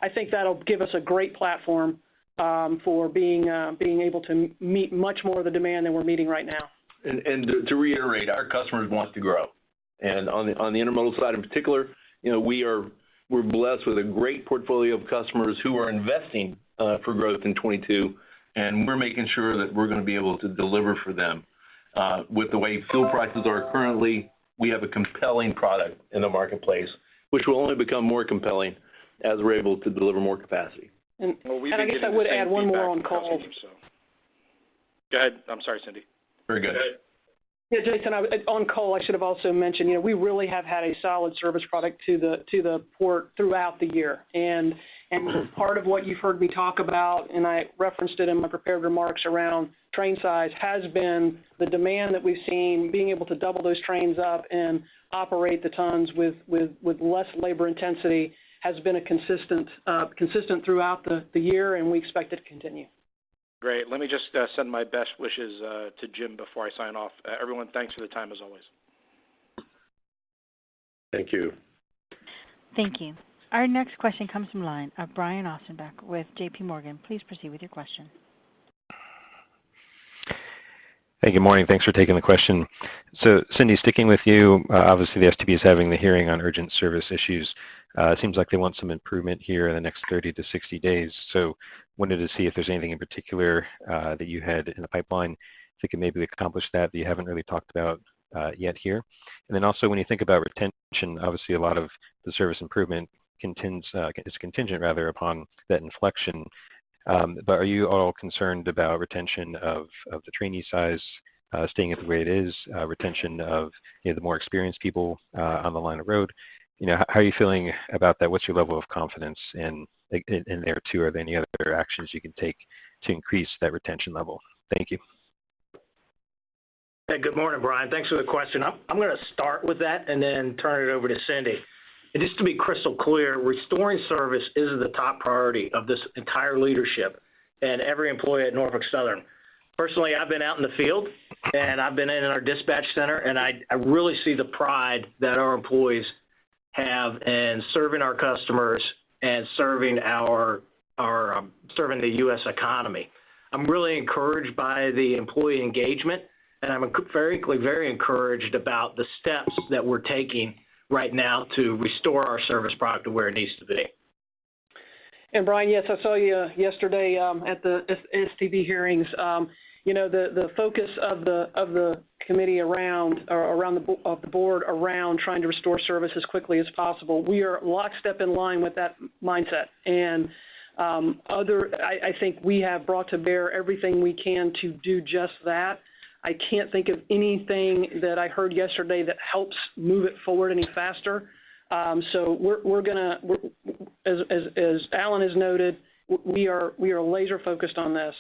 I think that'll give us a great platform for being able to meet much more of the demand than we're meeting right now. To reiterate, our customers wants to grow. On the intermodal side, in particular, you know, we're blessed with a great portfolio of customers who are investing for growth in 2022, and we're making sure that we're gonna be able to deliver for them. With the way fuel prices are currently, we have a compelling product in the marketplace, which will only become more compelling as we're able to deliver more capacity. I guess I would add one more on coal. Go ahead. I'm sorry, Cindy. Very good. Yeah, Jason, on coal, I should have also mentioned, you know, we really have had a solid service product to the port throughout the year. Part of what you've heard me talk about, and I referenced it in my prepared remarks around train size, has been the demand that we've seen being able to double those trains up and operate the tons with less labor intensity has been consistent throughout the year, and we expect it to continue. Great. Let me just send my best wishes to Jim before I sign off. Everyone, thanks for the time as always. Thank you. Thank you. Our next question comes from line of Brian Ossenbeck with J.P. Morgan. Please proceed with your question. Thank you. Morning. Thanks for taking the question. Cindy, sticking with you, obviously the STB is having the hearing on urgent service issues. It seems like they want some improvement here in the next 30 to 60 days. Wanted to see if there's anything in particular that you had in the pipeline that could maybe accomplish that you haven't really talked about yet here. Also when you think about retention, obviously a lot of the service improvement is contingent rather upon that inflection. But are you at all concerned about retention of the trainee size staying the way it is, retention of, you know, the more experienced people on the line of road? You know, how are you feeling about that? What's your level of confidence in there too? Are there any other actions you can take to increase that retention level? Thank you. Hey, good morning, Brian. Thanks for the question. I'm gonna start with that and then turn it over to Cindy. Just to be crystal clear, restoring service is the top priority of this entire leadership and every employee at Norfolk Southern. Personally, I've been out in the field and I've been in our dispatch center, and I really see the pride that our employees have in serving our customers and serving the U.S. economy. I'm really encouraged by the employee engagement, and I'm very, very encouraged about the steps that we're taking right now to restore our service product to where it needs to be. Brian, yes, I saw you yesterday at the STB hearings. You know, the focus of the board around trying to restore service as quickly as possible, we are lockstep in line with that mindset. I think we have brought to bear everything we can to do just that. I can't think of anything that I heard yesterday that helps move it forward any faster. We're gonna. As Alan has noted, we are laser focused on this.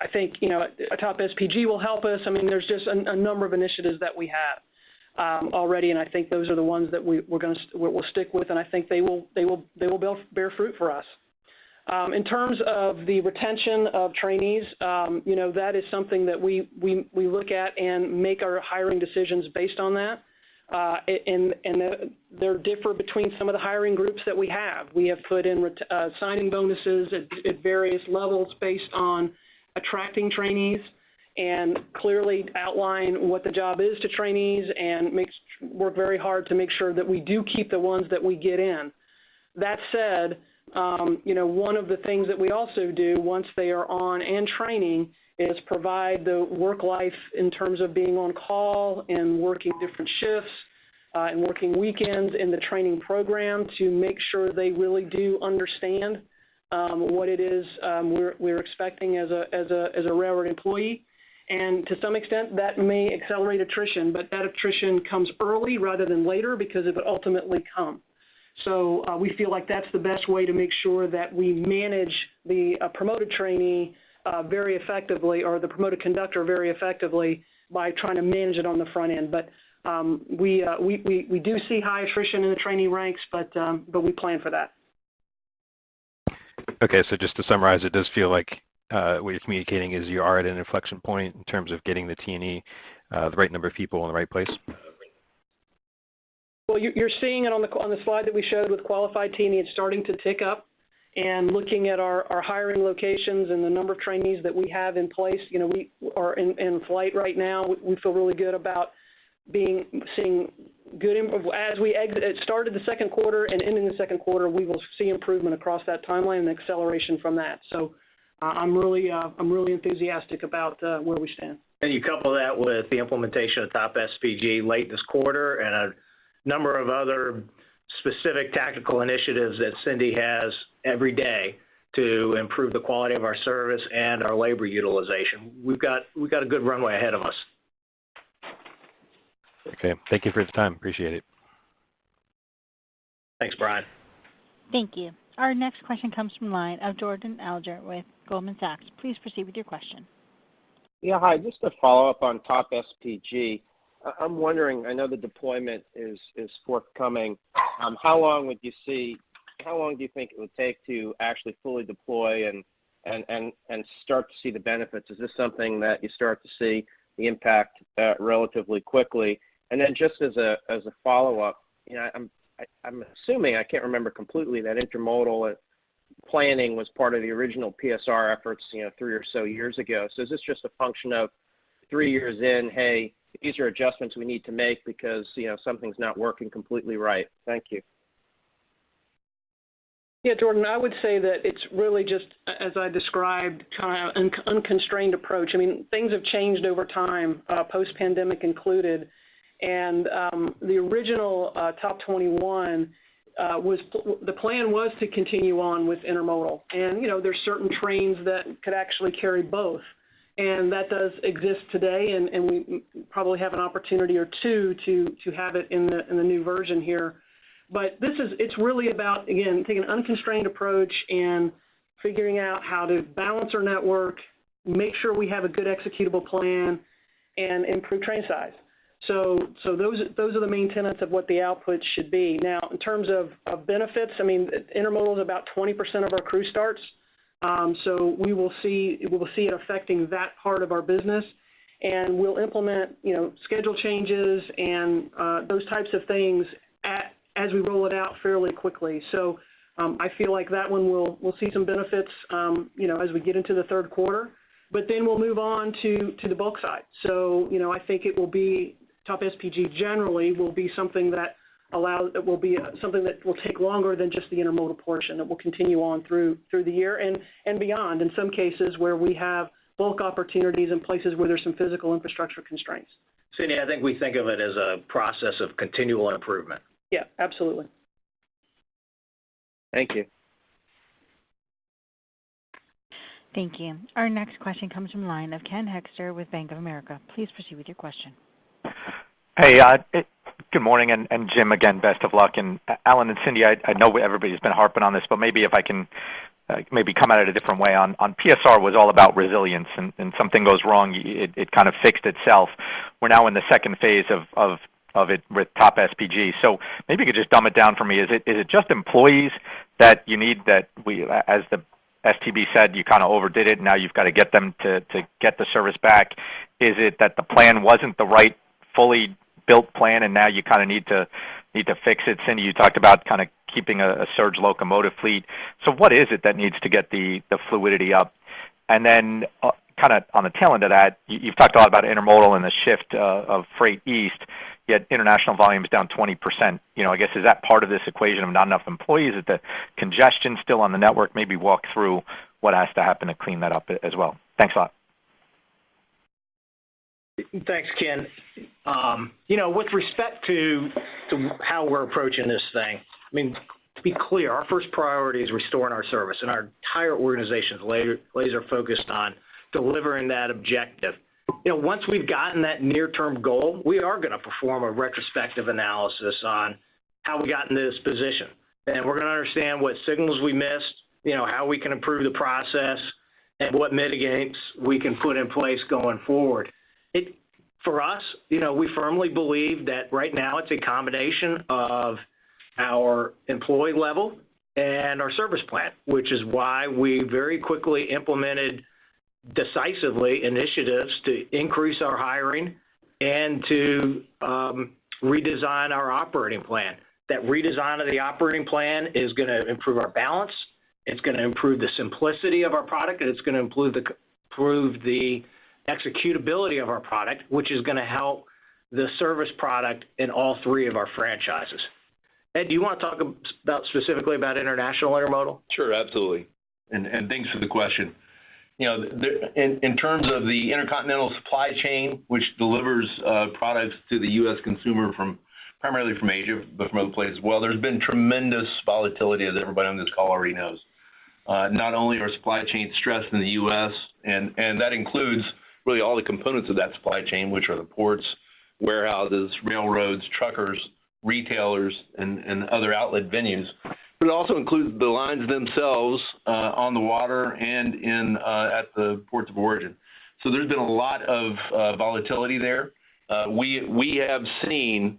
I think, you know, TOP|SPG will help us. I mean, there's just a number of initiatives that we have already, and I think those are the ones that we'll stick with, and I think they will bear fruit for us. In terms of the retention of trainees, you know, that is something that we look at and make our hiring decisions based on that. They differ between some of the hiring groups that we have. We have put in signing bonuses at various levels based on attracting trainees and clearly outline what the job is to trainees and make sure we work very hard to make sure that we do keep the ones that we get in. That said, you know, one of the things that we also do once they are on and training is provide the work life in terms of being on call and working different shifts, and working weekends in the training program to make sure they really do understand what it is we're expecting as a railroad employee. To some extent, that may accelerate attrition, but that attrition comes early rather than later because it would ultimately come. We feel like that's the best way to make sure that we manage the promoted trainee very effectively or the promoted conductor very effectively by trying to manage it on the front end. We do see high attrition in the trainee ranks, but we plan for that. Just to summarize, it does feel like what you're communicating is you are at an inflection point in terms of getting the trainee, the right number of people in the right place. You're seeing it on the slide that we showed with qualified trainee. It's starting to tick up, and looking at our hiring locations and the number of trainees that we have in place, you know, we are in flight right now. We feel really good about seeing good improvement as we exit, start of the second quarter and end in the second quarter, we will see improvement across that timeline and acceleration from that. I'm really enthusiastic about where we stand. You couple that with the implementation of TOP SPG late this quarter and a number of other specific tactical initiatives that Cindy has every day to improve the quality of our service and our labor utilization. We've got a good runway ahead of us. Okay. Thank you for your time. Appreciate it. Thanks, Brian. Thank you. Our next question comes from line of Jordan Alliger with Goldman Sachs. Please proceed with your question. Yeah, hi. Just to follow up on Top SPG, I'm wondering, I know the deployment is forthcoming. How long do you think it would take to actually fully deploy and start to see the benefits? Is this something that you start to see the impact relatively quickly? And then just as a follow-up, you know, I'm assuming, I can't remember completely, that intermodal planning was part of the original PSR efforts, you know, three or so years ago. Is this just a function of three years in, hey, these are adjustments we need to make because, you know, something's not working completely right? Thank you. Yeah, Jordan, I would say that it's really just, as I described, kind of unconstrained approach. I mean, things have changed over time, post-pandemic included. The original TOP 21 was. The plan was to continue on with Intermodal. You know, there's certain trains that could actually carry both. That does exist today, and we probably have an opportunity or two to have it in the new version here. This is really about, again, taking an unconstrained approach and figuring out how to balance our network, make sure we have a good executable plan and improve train size. Those are the main tenets of what the output should be. Now, in terms of benefits, I mean, Intermodal is about 20% of our crew starts. We will see it affecting that part of our business, and we'll implement, you know, schedule changes and those types of things as we roll it out fairly quickly. I feel like that one we'll see some benefits, you know, as we get into the third quarter, but then we'll move on to the bulk side. You know, I think TOP|SPG generally will be something that will take longer than just the intermodal portion. It will continue on through the year and beyond in some cases where we have bulk opportunities in places where there's some physical infrastructure constraints. Cindy, I think we think of it as a process of continual improvement. Yeah, absolutely. Thank you. Thank you. Our next question comes from line of Ken Hoexter with Bank of America. Please proceed with your question. Hey, good morning. Jim, again, best of luck. Alan and Cindy, I know everybody's been harping on this, but maybe if I can, maybe come at it a different way on PSR was all about resilience and something goes wrong, it kind of fixed itself. We're now in the second phase of it with TOP|SPG. Maybe you could just dumb it down for me. Is it just employees that you need as the STB said, you kind of overdid it, now you've got to get them to get the service back. Is it that the plan wasn't the right fully built plan and now you kind of need to fix it? Cindy, you talked about kind of keeping a surge locomotive fleet. What is it that needs to get the fluidity up? Kind of on the tail end of that, you've talked a lot about Intermodal and the shift of freight east, yet international volume is down 20%. You know, I guess, is that part of this equation of not enough employees? Is it the congestion still on the network? Maybe walk through what has to happen to clean that up as well. Thanks a lot. Thanks, Ken. You know, with respect to how we're approaching this thing, I mean, to be clear, our first priority is restoring our service, and our entire organization is laser focused on delivering that objective. You know, once we've gotten that near-term goal, we are gonna perform a retrospective analysis on how we got into this position. We're gonna understand what signals we missed, you know, how we can improve the process and what mitigates we can put in place going forward. For us, you know, we firmly believe that right now it's a combination of our employee level and our service plan, which is why we very quickly implemented Decisive initiatives to increase our hiring and to redesign our operating plan. That redesign of the operating plan is going to improve our balance, it's going to improve the simplicity of our product, and it's going to improve the executability of our product, which is going to help the service product in all three of our franchises. Ed, do you want to talk about, specifically about international Intermodal? Sure. Absolutely. Thanks for the question. You know, in terms of the intercontinental supply chain, which delivers products to the U.S. consumer primarily from Asia, but from other places as well, there's been tremendous volatility as everybody on this call already knows. Not only are supply chains stressed in the U.S., that includes really all the components of that supply chain, which are the ports, warehouses, railroads, truckers, retailers, and other outlet venues, but it also includes the lines themselves on the water and at the ports of origin. There's been a lot of volatility there. We have seen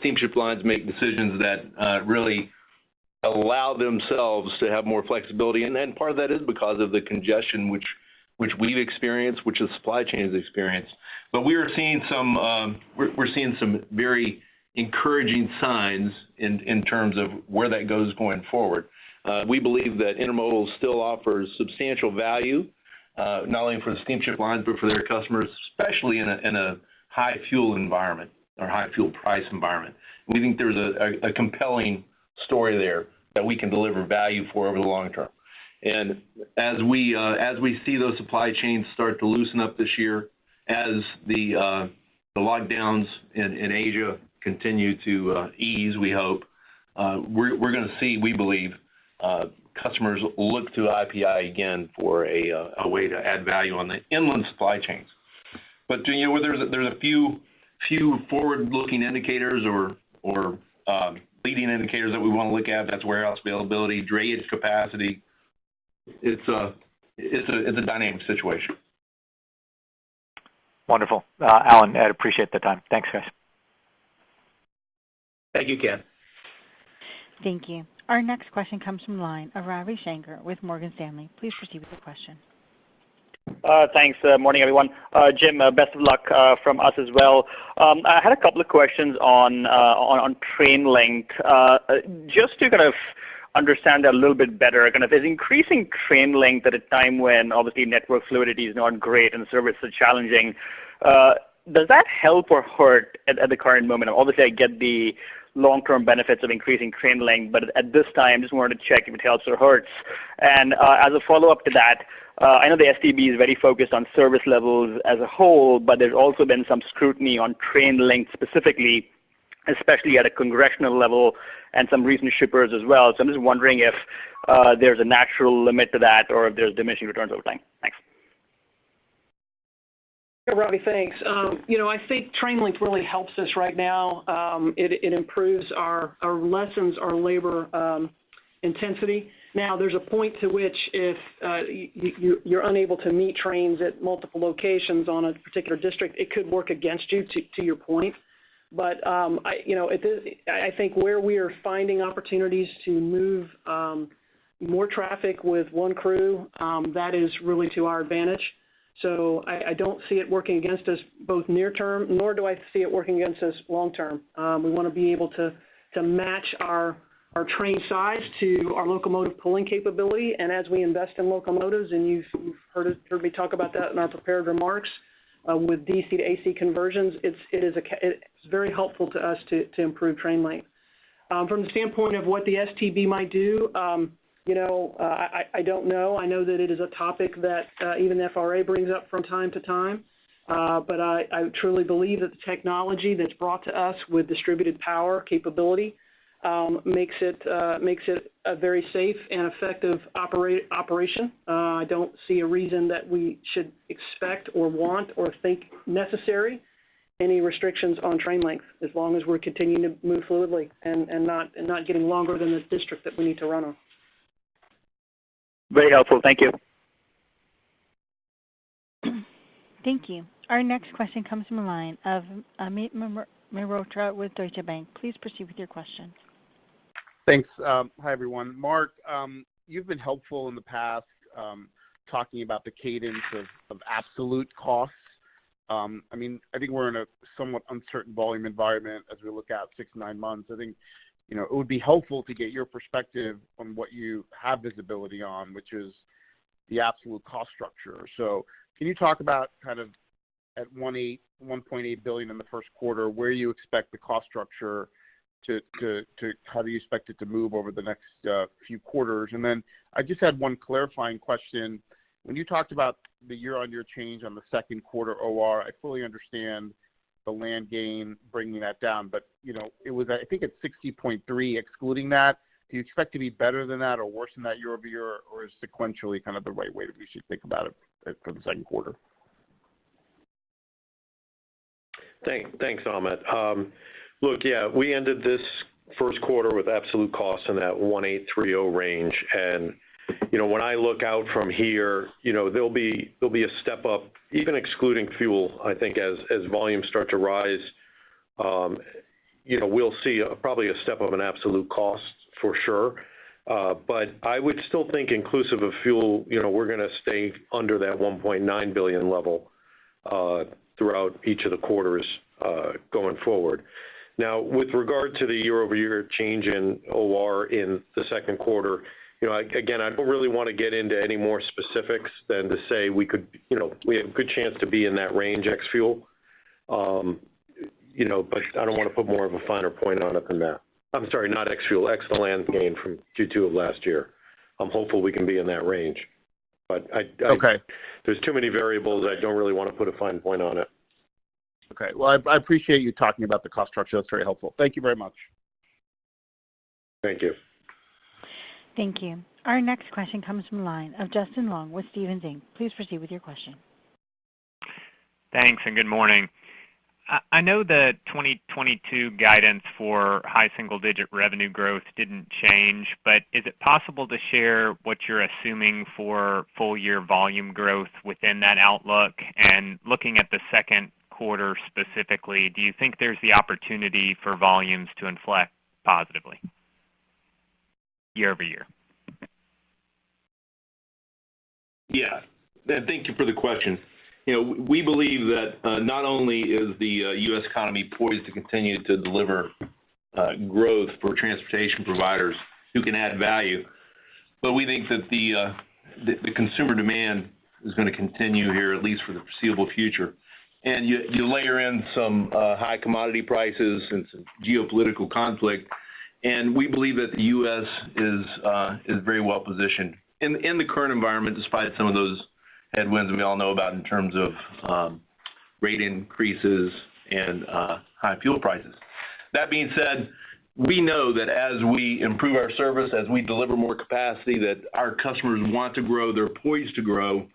steamship lines make decisions that really allow themselves to have more flexibility. Part of that is because of the congestion which we've experienced, which the supply chains experienced. We are seeing some very encouraging signs in terms of where that goes, going forward. We believe that Intermodal still offers substantial value, not only for the steamship lines, but for their customers, especially in a high fuel environment or high fuel price environment. We think there's a compelling story there that we can deliver value for over the long term. As we see those supply chains start to loosen up this year, as the lockdowns in Asia continue to ease, we hope we're gonna see, we believe, customers look to IPI again for a way to add value on the inland supply chains. You know, there's a few forward-looking indicators or leading indicators that we want to look at, that's warehouse availability, drayage capacity. It's a dynamic situation. Wonderful. Alan, I appreciate the time. Thanks, guys. Thank you, Ken. Thank you. Our next question comes from the line of Ravi Shanker with Morgan Stanley. Please proceed with your question. Thanks. Morning, everyone. Jim, best of luck from us as well. I had a couple of questions on train length. Just to kind of understand a little bit better, kind of is increasing train length at a time when obviously network fluidity is not great and service is challenging, does that help or hurt at the current moment? Obviously, I get the long-term benefits of increasing train length, but at this time, just wanted to check if it helps or hurts. As a follow-up to that, I know the STB is very focused on service levels as a whole, but there's also been some scrutiny on train length specifically, especially at a congressional level and some recent shippers as well. I'm just wondering if there's a natural limit to that or if there's diminishing returns over time. Thanks. Ravi, thanks. You know, I think train length really helps us right now. It lessens our labor intensity. Now, there's a point to which if you're unable to meet trains at multiple locations on a particular district, it could work against you, to your point. You know, I think where we are finding opportunities to move more traffic with one crew, that is really to our advantage. I don't see it working against us both near term, nor do I see it working against us long term. We want to be able to match our train size to our locomotive pulling capability. As we invest in locomotives, and you've heard me talk about that in our prepared remarks, with DC to AC conversions, it's very helpful to us to improve train length. From the standpoint of what the STB might do, you know, I don't know. I know that it is a topic that even FRA brings up from time to time. I truly believe that the technology that's brought to us with distributed power capability makes it a very safe and effective operation. I don't see a reason that we should expect or want or think necessary any restrictions on train length as long as we're continuing to move fluidly and not getting longer than the district that we need to run on. Very helpful. Thank you. Thank you. Our next question comes from the line of Amit Mehrotra with Deutsche Bank. Please proceed with your question. Thanks. Hi, everyone. Mark, you've been helpful in the past, talking about the cadence of absolute costs. I mean, I think we're in a somewhat uncertain volume environment as we look out six, nine months. I think, you know, it would be helpful to get your perspective on what you have visibility on, which is the absolute cost structure. Can you talk about kind of at $1.8 billion in the first quarter, where you expect the cost structure to how do you expect it to move over the next few quarters? Then I just had one clarifying question. When you talked about the year-on-year change on the second quarter OR, I fully understand the land gain bringing that down, but, you know, it was, I think it's 60.3% excluding that. Do you expect to be better than that or worse than that year-over-year or is sequentially kind of the right way that we should think about it for the second quarter? Thanks, Amit. Look, yeah, we ended this first quarter with absolute costs in that $1.83 billion range. When I look out from here, you know, there'll be a step up, even excluding fuel, I think, as volumes start to rise, you know, we'll see probably a step up in absolute costs for sure. But I would still think inclusive of fuel, you know, we're gonna stay under that $1.9 billion level throughout each of the quarters going forward. Now, with regard to the year-over-year change in OR in the second quarter, you know, again, I don't really wanna get into any more specifics than to say we could, you know, we have a good chance to be in that range ex fuel. You know, I don't wanna put more of a finer point on it than that. I'm sorry, not ex fuel, ex the land gain from Q2 of last year. I'm hopeful we can be in that range. Okay. There's too many variables. I don't really wanna put a fine point on it. Okay. Well, I appreciate you talking about the cost structure. That's very helpful. Thank you very much. Thank you. Thank you. Our next question comes from the line of Justin Long with Stephens Inc. Please proceed with your question. Thanks, and good morning. I know the 2022 guidance for high single digit revenue growth didn't change, but is it possible to share what you're assuming for full year volume growth within that outlook? Looking at the second quarter specifically, do you think there's the opportunity for volumes to inflect positively year-over-year? Yeah. Thank you for the question. You know, we believe that, not only is the US economy poised to continue to deliver growth for transportation providers who can add value, but we think that the consumer demand is gonna continue here, at least for the foreseeable future. You layer in some high commodity prices and some geopolitical conflict, and we believe that the US is very well positioned in the current environment despite some of those headwinds we all know about in terms of rate increases and high fuel prices. That being said, we know that as we improve our service, as we deliver more capacity, that our customers want to grow, they're poised to grow,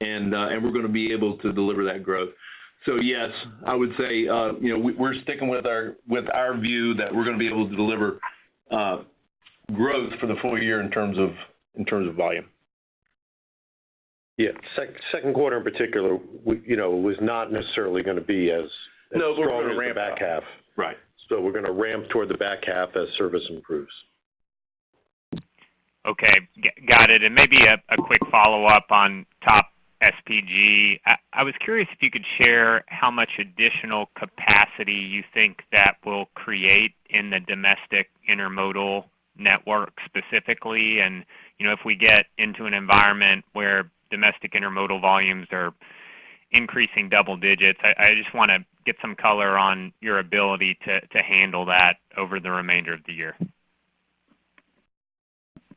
and we're gonna be able to deliver that growth. Yes, I would say, you know, we're sticking with our view that we're gonna be able to deliver growth for the full year in terms of volume. Yeah. Second quarter in particular, we, you know, was not necessarily gonna be as strong as the back half. Right. We're gonna ramp toward the back half as service improves. Okay. Got it. Maybe a quick follow-up on TOP|SPG. I was curious if you could share how much additional capacity you think that will create in the domestic intermodal network specifically. You know, if we get into an environment where domestic intermodal volumes are increasing double digits, I just wanna get some color on your ability to handle that over the remainder of the year.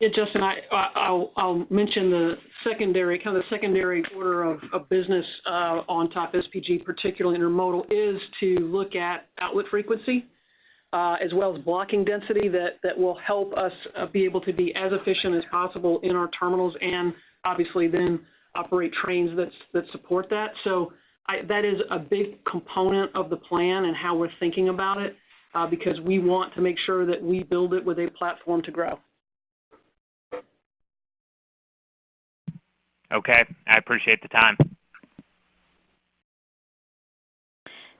Yeah, Justin, I'll mention the secondary, kind of secondary order of business on TOP|SPG, particularly Intermodal, is to look at outlet frequency as well as blocking density that will help us be able to be as efficient as possible in our terminals and obviously then operate trains that support that. That is a big component of the plan and how we're thinking about it because we want to make sure that we build it with a platform to grow. Okay. I appreciate the time.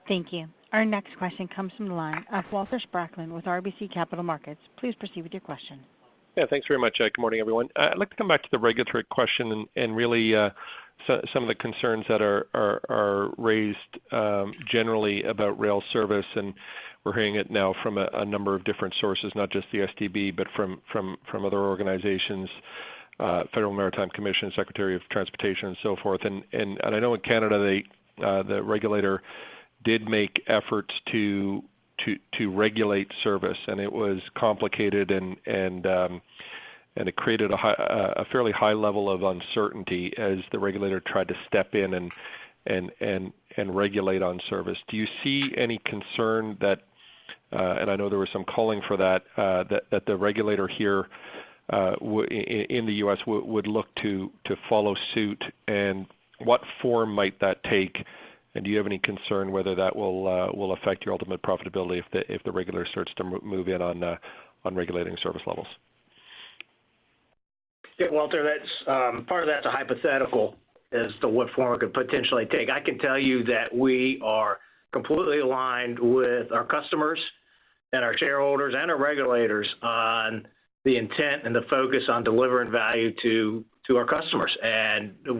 Thank you. Our next question comes from the line of Walter Spracklin with RBC Capital Markets. Please proceed with your question. Yeah, thanks very much. Good morning, everyone. I'd like to come back to the regulatory question and really some of the concerns that are raised generally about rail service, and we're hearing it now from a number of different sources, not just the STB, but from other organizations, Federal Maritime Commission, Secretary of Transportation and so forth. I know in Canada, they, the regulator did make efforts to regulate service, and it was complicated and it created a fairly high level of uncertainty as the regulator tried to step in and regulate on service. Do you see any concern that, and I know there was some calling for that the regulator here in the U.S. would look to follow suit, and what form might that take, and do you have any concern whether that will affect your ultimate profitability if the regulator starts to move in on regulating service levels? Yeah, Walter, that's part of that's a hypothetical as to what form it could potentially take. I can tell you that we are completely aligned with our customers and our shareholders and our regulators on the intent and the focus on delivering value to our customers.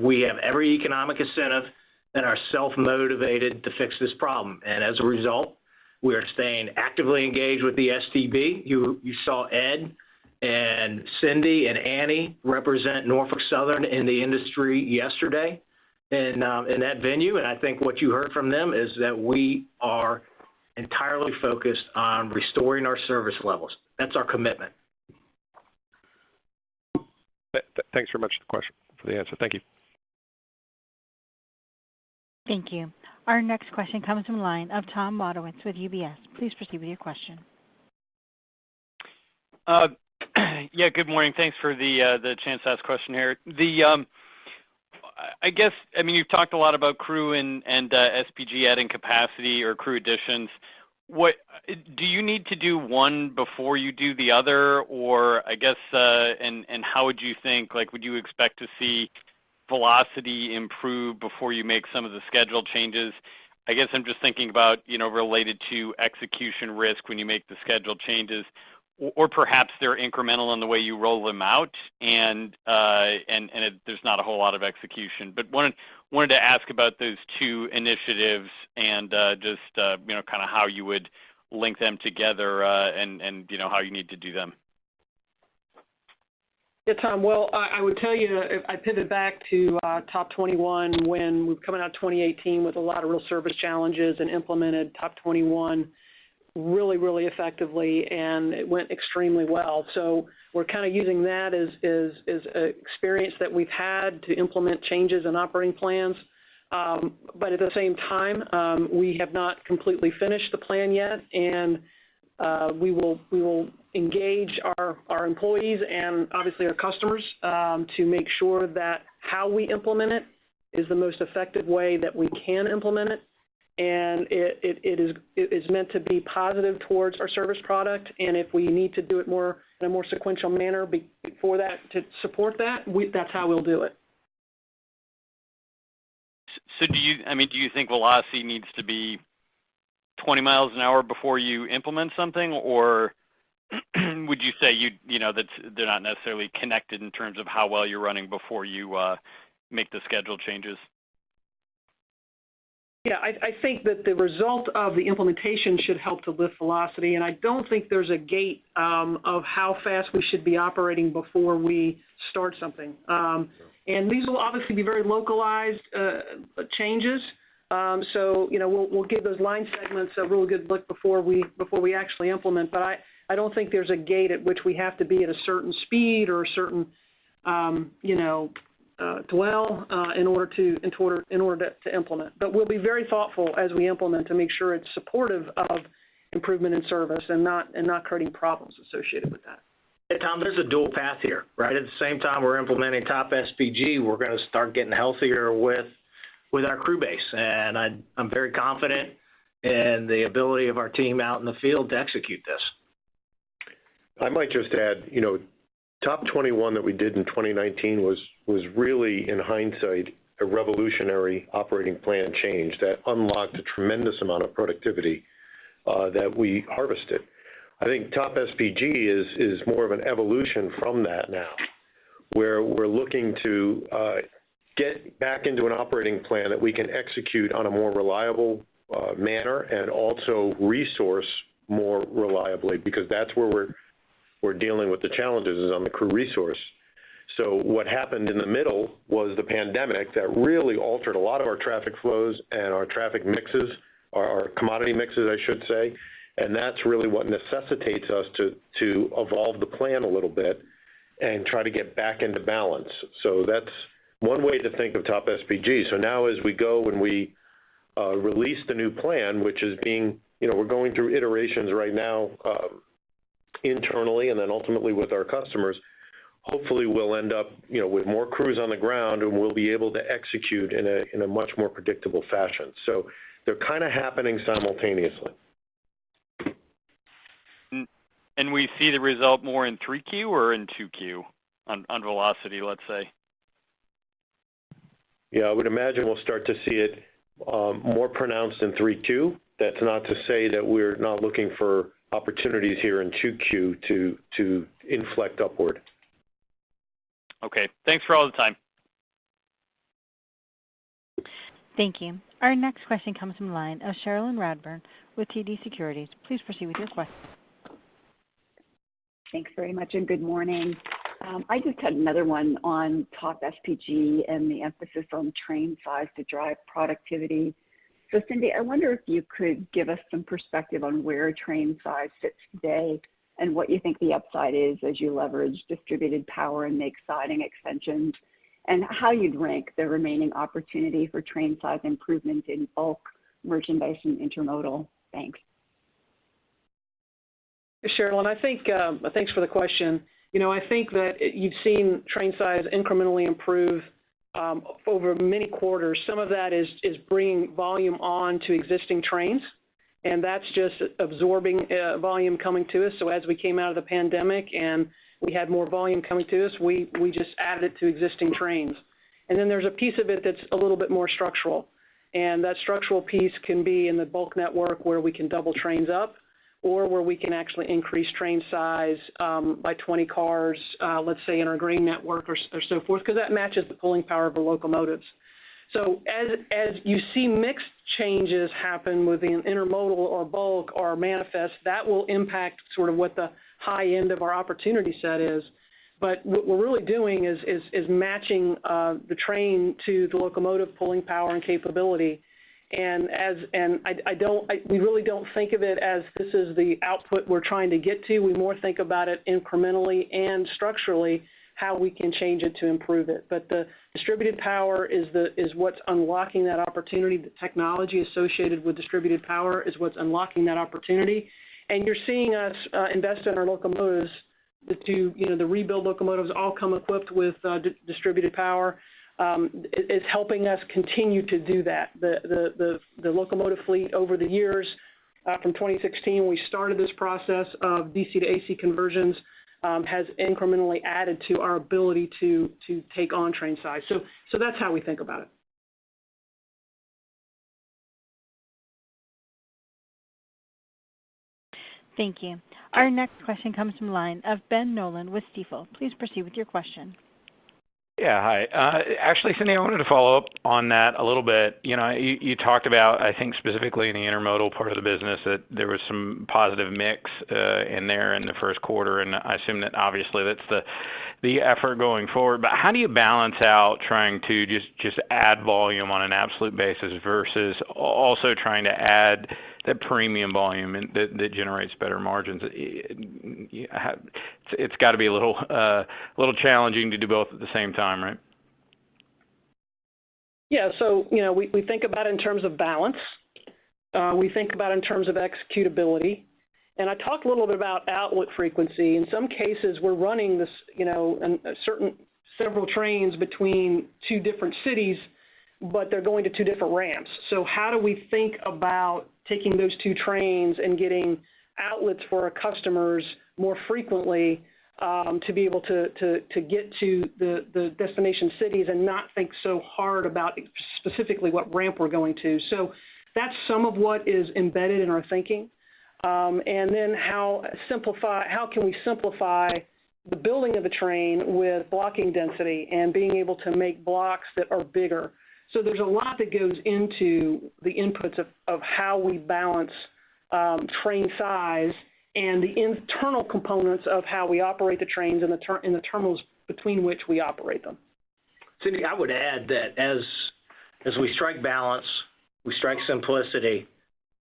We have every economic incentive and are self-motivated to fix this problem. As a result, we are staying actively engaged with the STB. You saw Ed and Cindy and Annie represent Norfolk Southern in the industry yesterday in that venue. I think what you heard from them is that we are entirely focused on restoring our service levels. That's our commitment. Thanks very much for the question, for the answer. Thank you. Thank you. Our next question comes from the line of Tom Wadewitz with UBS. Please proceed with your question. Yeah, good morning. Thanks for the chance to ask a question here. I guess, I mean, you've talked a lot about crew and SPG adding capacity or crew additions. Do you need to do one before you do the other? I guess how would you think. Like, would you expect to see velocity improve before you make some of the schedule changes? I'm just thinking about, you know, related to execution risk when you make the schedule changes. Perhaps they're incremental in the way you roll them out and there's not a whole lot of execution. Wanted to ask about those two initiatives and, just, you know, kind of how you would link them together and you know how you need to do them. Yeah, Tom. Well, I would tell you, if I pivot back to TOP 21, when we were coming out of 2018 with a lot of real service challenges and implemented TOP 21 really, really effectively, and it went extremely well. We're kind of using that as experience that we've had to implement changes in operating plans. But at the same time, we have not completely finished the plan yet, and we will engage our employees and obviously our customers to make sure that how we implement it is the most effective way that we can implement it. It is meant to be positive towards our service product, and if we need to do it in a more sequential manner before that to support that's how we'll do it. Do you, I mean, do you think velocity needs to be 20 miles an hour before you implement something? Or would you say you know, that's, they're not necessarily connected in terms of how well you're running before you make the schedule changes? Yeah. I think that the result of the implementation should help to lift velocity, and I don't think there's a gate of how fast we should be operating before we start something. These will obviously be very localized changes. You know, we'll give those line segments a real good look before we actually implement. I don't think there's a gate at which we have to be at a certain speed or a certain, you know, dwell in order to implement. We'll be very thoughtful as we implement to make sure it's supportive of improvement in service and not creating problems associated with that. Tom, there's a dual path here, right? At the same time we're implementing TOP|SPG, we're gonna start getting healthier with our crew base. I'm very confident in the ability of our team out in the field to execute this. I might just add, you know, TOP 21 that we did in 2019 was really, in hindsight, a revolutionary operating plan change that unlocked a tremendous amount of productivity that we harvested. I think TOP|SPG is more of an evolution from that now, where we're looking to get back into an operating plan that we can execute on a more reliable manner and also resource more reliably because that's where we're dealing with the challenges is on the crew resource. What happened in the middle was the pandemic that really altered a lot of our traffic flows and our traffic mixes or our commodity mixes, I should say, and that's really what necessitates us to evolve the plan a little bit and try to get back into balance. That's one way to think of TOP|SPG. Now as we go when we release the new plan, which is being, you know, we're going through iterations right now, internally and then ultimately with our customers. Hopefully, we'll end up, you know, with more crews on the ground, and we'll be able to execute in a much more predictable fashion. They're kind of happening simultaneously. We see the result more in Q3 or in Q2 on velocity, let's say? Yeah. I would imagine we'll start to see it more pronounced in 3Q. That's not to say that we're not looking for opportunities here in 2Q to inflect upward. Okay. Thanks for all the time. Thank you. Our next question comes from the line of Cherilyn Radbourne with TD Securities. Please proceed with your question. Thanks very much, and good morning. I just had another one on Top SPG and the emphasis on train size to drive productivity. Cindy, I wonder if you could give us some perspective on where train size sits today and what you think the upside is as you leverage distributed power and make siding extensions, and how you'd rank the remaining opportunity for train size improvements in bulk, Merchandise, and Intermodal. Thanks. Cherilyn, I think. Thanks for the question. You know, I think that you've seen train size incrementally improve over many quarters. Some of that is bringing volume on to existing trains, and that's just absorbing volume coming to us. As we came out of the pandemic and we had more volume coming to us, we just added to existing trains. Then there's a piece of it that's a little bit more structural, and that structural piece can be in the bulk network where we can double trains up or where we can actually increase train size by 20 cars, let's say in our grain network or so forth, because that matches the pulling power of the locomotives. As you see mix changes happen within Intermodal or bulk or manifest, that will impact sort of what the high end of our opportunity set is. What we're really doing is matching the train to the locomotive pulling power and capability. We really don't think of it as this is the output we're trying to get to. We more think about it incrementally and structurally, how we can change it to improve it. The distributed power is what's unlocking that opportunity. The technology associated with distributed power is what's unlocking that opportunity. You're seeing us invest in our locomotives. The two, you know, the rebuild locomotives all come equipped with distributed power, is helping us continue to do that. The locomotive fleet over the years, from 2016 when we started this process of DC to AC conversions, has incrementally added to our ability to take on train size. So that's how we think about it. Thank you. Our next question comes from the line of Ben Nolan with Stifel. Please proceed with your question. Yeah. Hi. Actually, Cindy, I wanted to follow up on that a little bit. You know, you talked about, I think specifically in the intermodal part of the business that there was some positive mix in there in the first quarter, and I assume that obviously that's the effort going forward. How do you balance out trying to just add volume on an absolute basis versus also trying to add the premium volume in that generates better margins? It's got to be a little challenging to do both at the same time, right? Yeah. You know, we think about in terms of balance. We think about in terms of executability. I talked a little bit about outlet frequency. In some cases, we're running this, you know, a certain several trains between two different cities, but they're going to two different ramps. How do we think about taking those two trains and getting outlets for our customers more frequently, to be able to get to the destination cities and not think so hard about specifically what ramp we're going to. That's some of what is embedded in our thinking. How can we simplify the building of the train with blocking density and being able to make blocks that are bigger. There's a lot that goes into the inputs of how we balance train size and the internal components of how we operate the trains and the terminals between which we operate them. Cindy, I would add that as we strike balance, we strike simplicity,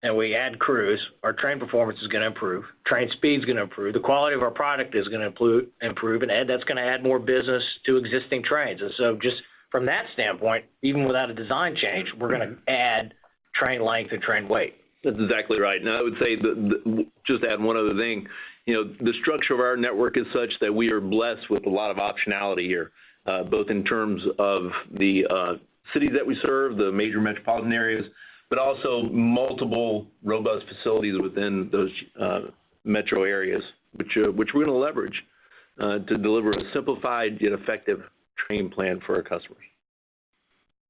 and we add crews, our train performance is going to improve, train speed is going to improve, the quality of our product is going to improve, and that's going to add more business to existing trains. Just from that standpoint, even without a design change, we're gonna add train length and train weight. That's exactly right. I would say just to add one other thing, you know, the structure of our network is such that we are blessed with a lot of optionality here, both in terms of the cities that we serve, the major metropolitan areas, but also multiple robust facilities within those metro areas, which we're going to leverage to deliver a simplified yet effective train plan for our customers.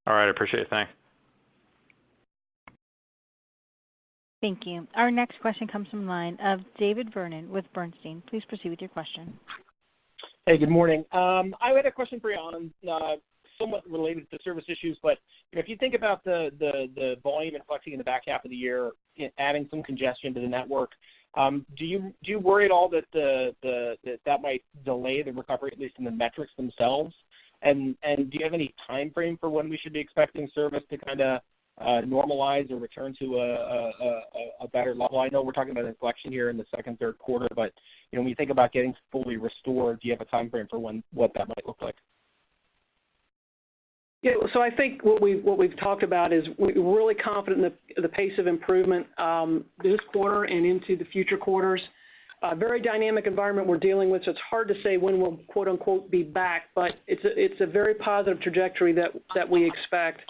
All right, I appreciate it. Thanks. Thank you. Our next question comes from line of David Vernon with Bernstein. Please proceed with your question. Hey, good morning. I had a question for you, Alan, somewhat related to service issues. If you think about the volume and flexing in the back half of the year, adding some congestion to the network, do you worry at all that that might delay the recovery, at least in the metrics themselves? Do you have any time frame for when we should be expecting service to kinda normalize or return to a better level? I know we're talking about inflection here in the second, third quarter, but you know, when you think about getting fully restored, do you have a time frame for what that might look like? Yeah. I think what we've talked about is we're really confident in the pace of improvement this quarter and into the future quarters. A very dynamic environment we're dealing with, so it's hard to say when we'll quote-unquote be back, but it's a very positive trajectory that we expect.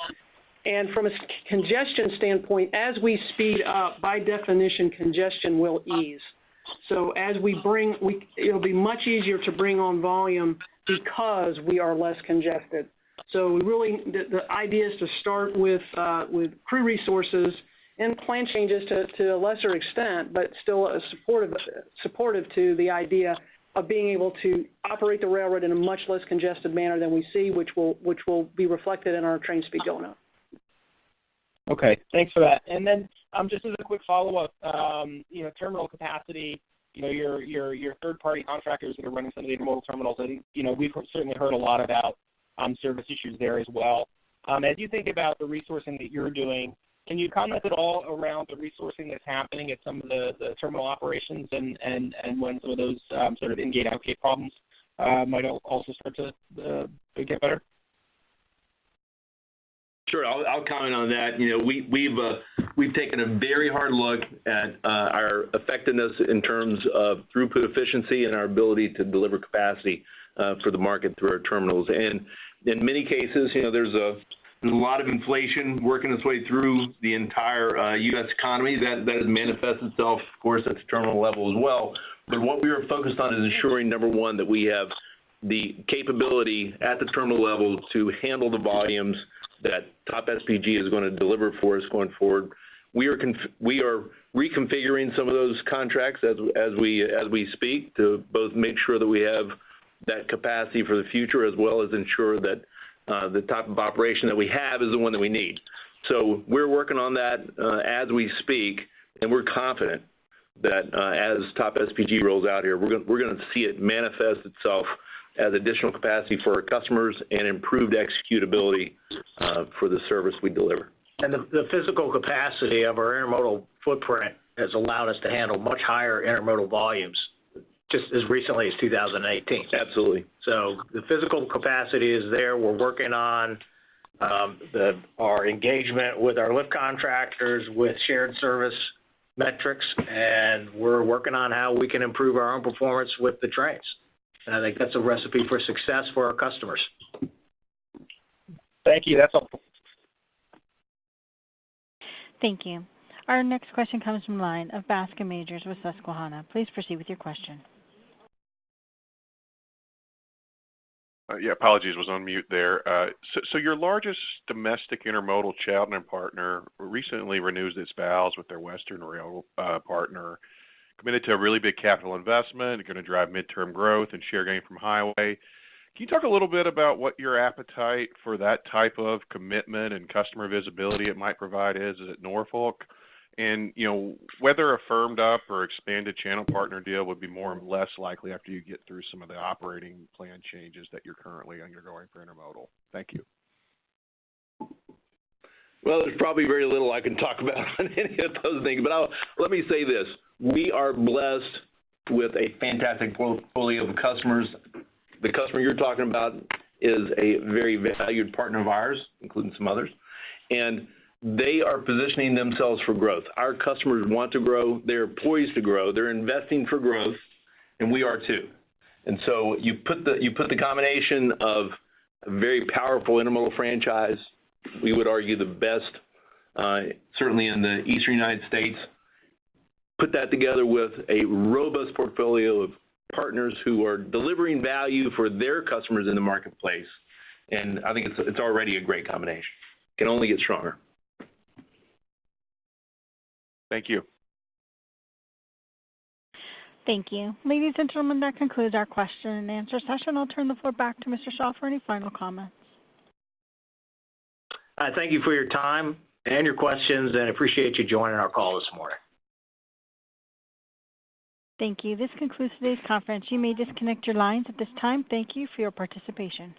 From a congestion standpoint, as we speed up, by definition, congestion will ease. It'll be much easier to bring on volume because we are less congested. Really, the idea is to start with crew resources and plan changes to a lesser extent, but still supportive to the idea of being able to operate the railroad in a much less congested manner than we see, which will be reflected in our train speed going up. Okay. Thanks for that. Just as a quick follow-up, you know, terminal capacity, you know, your third-party contractors that are running some of the intermodal terminals, and, you know, we've certainly heard a lot about service issues there as well. As you think about the resourcing that you're doing, can you comment at all around the resourcing that's happening at some of the terminal operations and when some of those sort of in-gate, out-gate problems might also start to get better? Sure. I'll comment on that. You know, we've taken a very hard look at our effectiveness in terms of throughput efficiency and our ability to deliver capacity for the market through our terminals. In many cases, you know, there's a lot of inflation working its way through the entire U.S. economy that has manifest itself, of course, at the terminal level as well. What we are focused on is ensuring, number one, that we have the capability at the terminal level to handle the volumes that TOP SPG is gonna deliver for us going forward. We are reconfiguring some of those contracts as we speak to both make sure that we have that capacity for the future, as well as ensure that the type of operation that we have is the one that we need. We're working on that as we speak, and we're confident that as TOP|SPG rolls out here, we're gonna see it manifest itself as additional capacity for our customers and improved executability for the service we deliver. The physical capacity of our intermodal footprint has allowed us to handle much higher intermodal volumes just as recently as 2018. Absolutely. The physical capacity is there. We're working on Our engagement with our lift contractors with shared service metrics, and we're working on how we can improve our own performance with the trains. I think that's a recipe for success for our customers. Thank you. That's all. Thank you. Our next question comes from line of Bascome Majors with Susquehanna. Please proceed with your question. Yeah, apologies was on mute there. So, your largest domestic intermodal channel partner recently renews its vows with their western rail partner, committed to a really big capital investment, gonna drive midterm growth and share gain from highway. Can you talk a little bit about what your appetite for that type of commitment and customer visibility it might provide is at Norfolk? And, you know, whether a firmed up or expanded channel partner deal would be more or less likely after you get through some of the operating plan changes that you're currently undergoing for intermodal. Thank you. Well, there's probably very little I can talk about on any of those things, but let me say this, we are blessed with a fantastic portfolio of customers. The customer you're talking about is a very valued partner of ours, including some others, and they are positioning themselves for growth. Our customers want to grow, they're poised to grow, they're investing for growth, and we are too. You put the combination of a very powerful intermodal franchise, we would argue the best, certainly in the Eastern United States. Put that together with a robust portfolio of partners who are delivering value for their customers in the marketplace, and I think it's already a great combination. It can only get stronger. Thank you. Thank you. Ladies and gentlemen, that concludes our question and answer session. I'll turn the floor back to Mr. Shaw for any final comments. I thank you for your time and your questions, and I appreciate you joining our call this morning. Thank you. This concludes today's conference. You may disconnect your lines at this time. Thank you for your participation.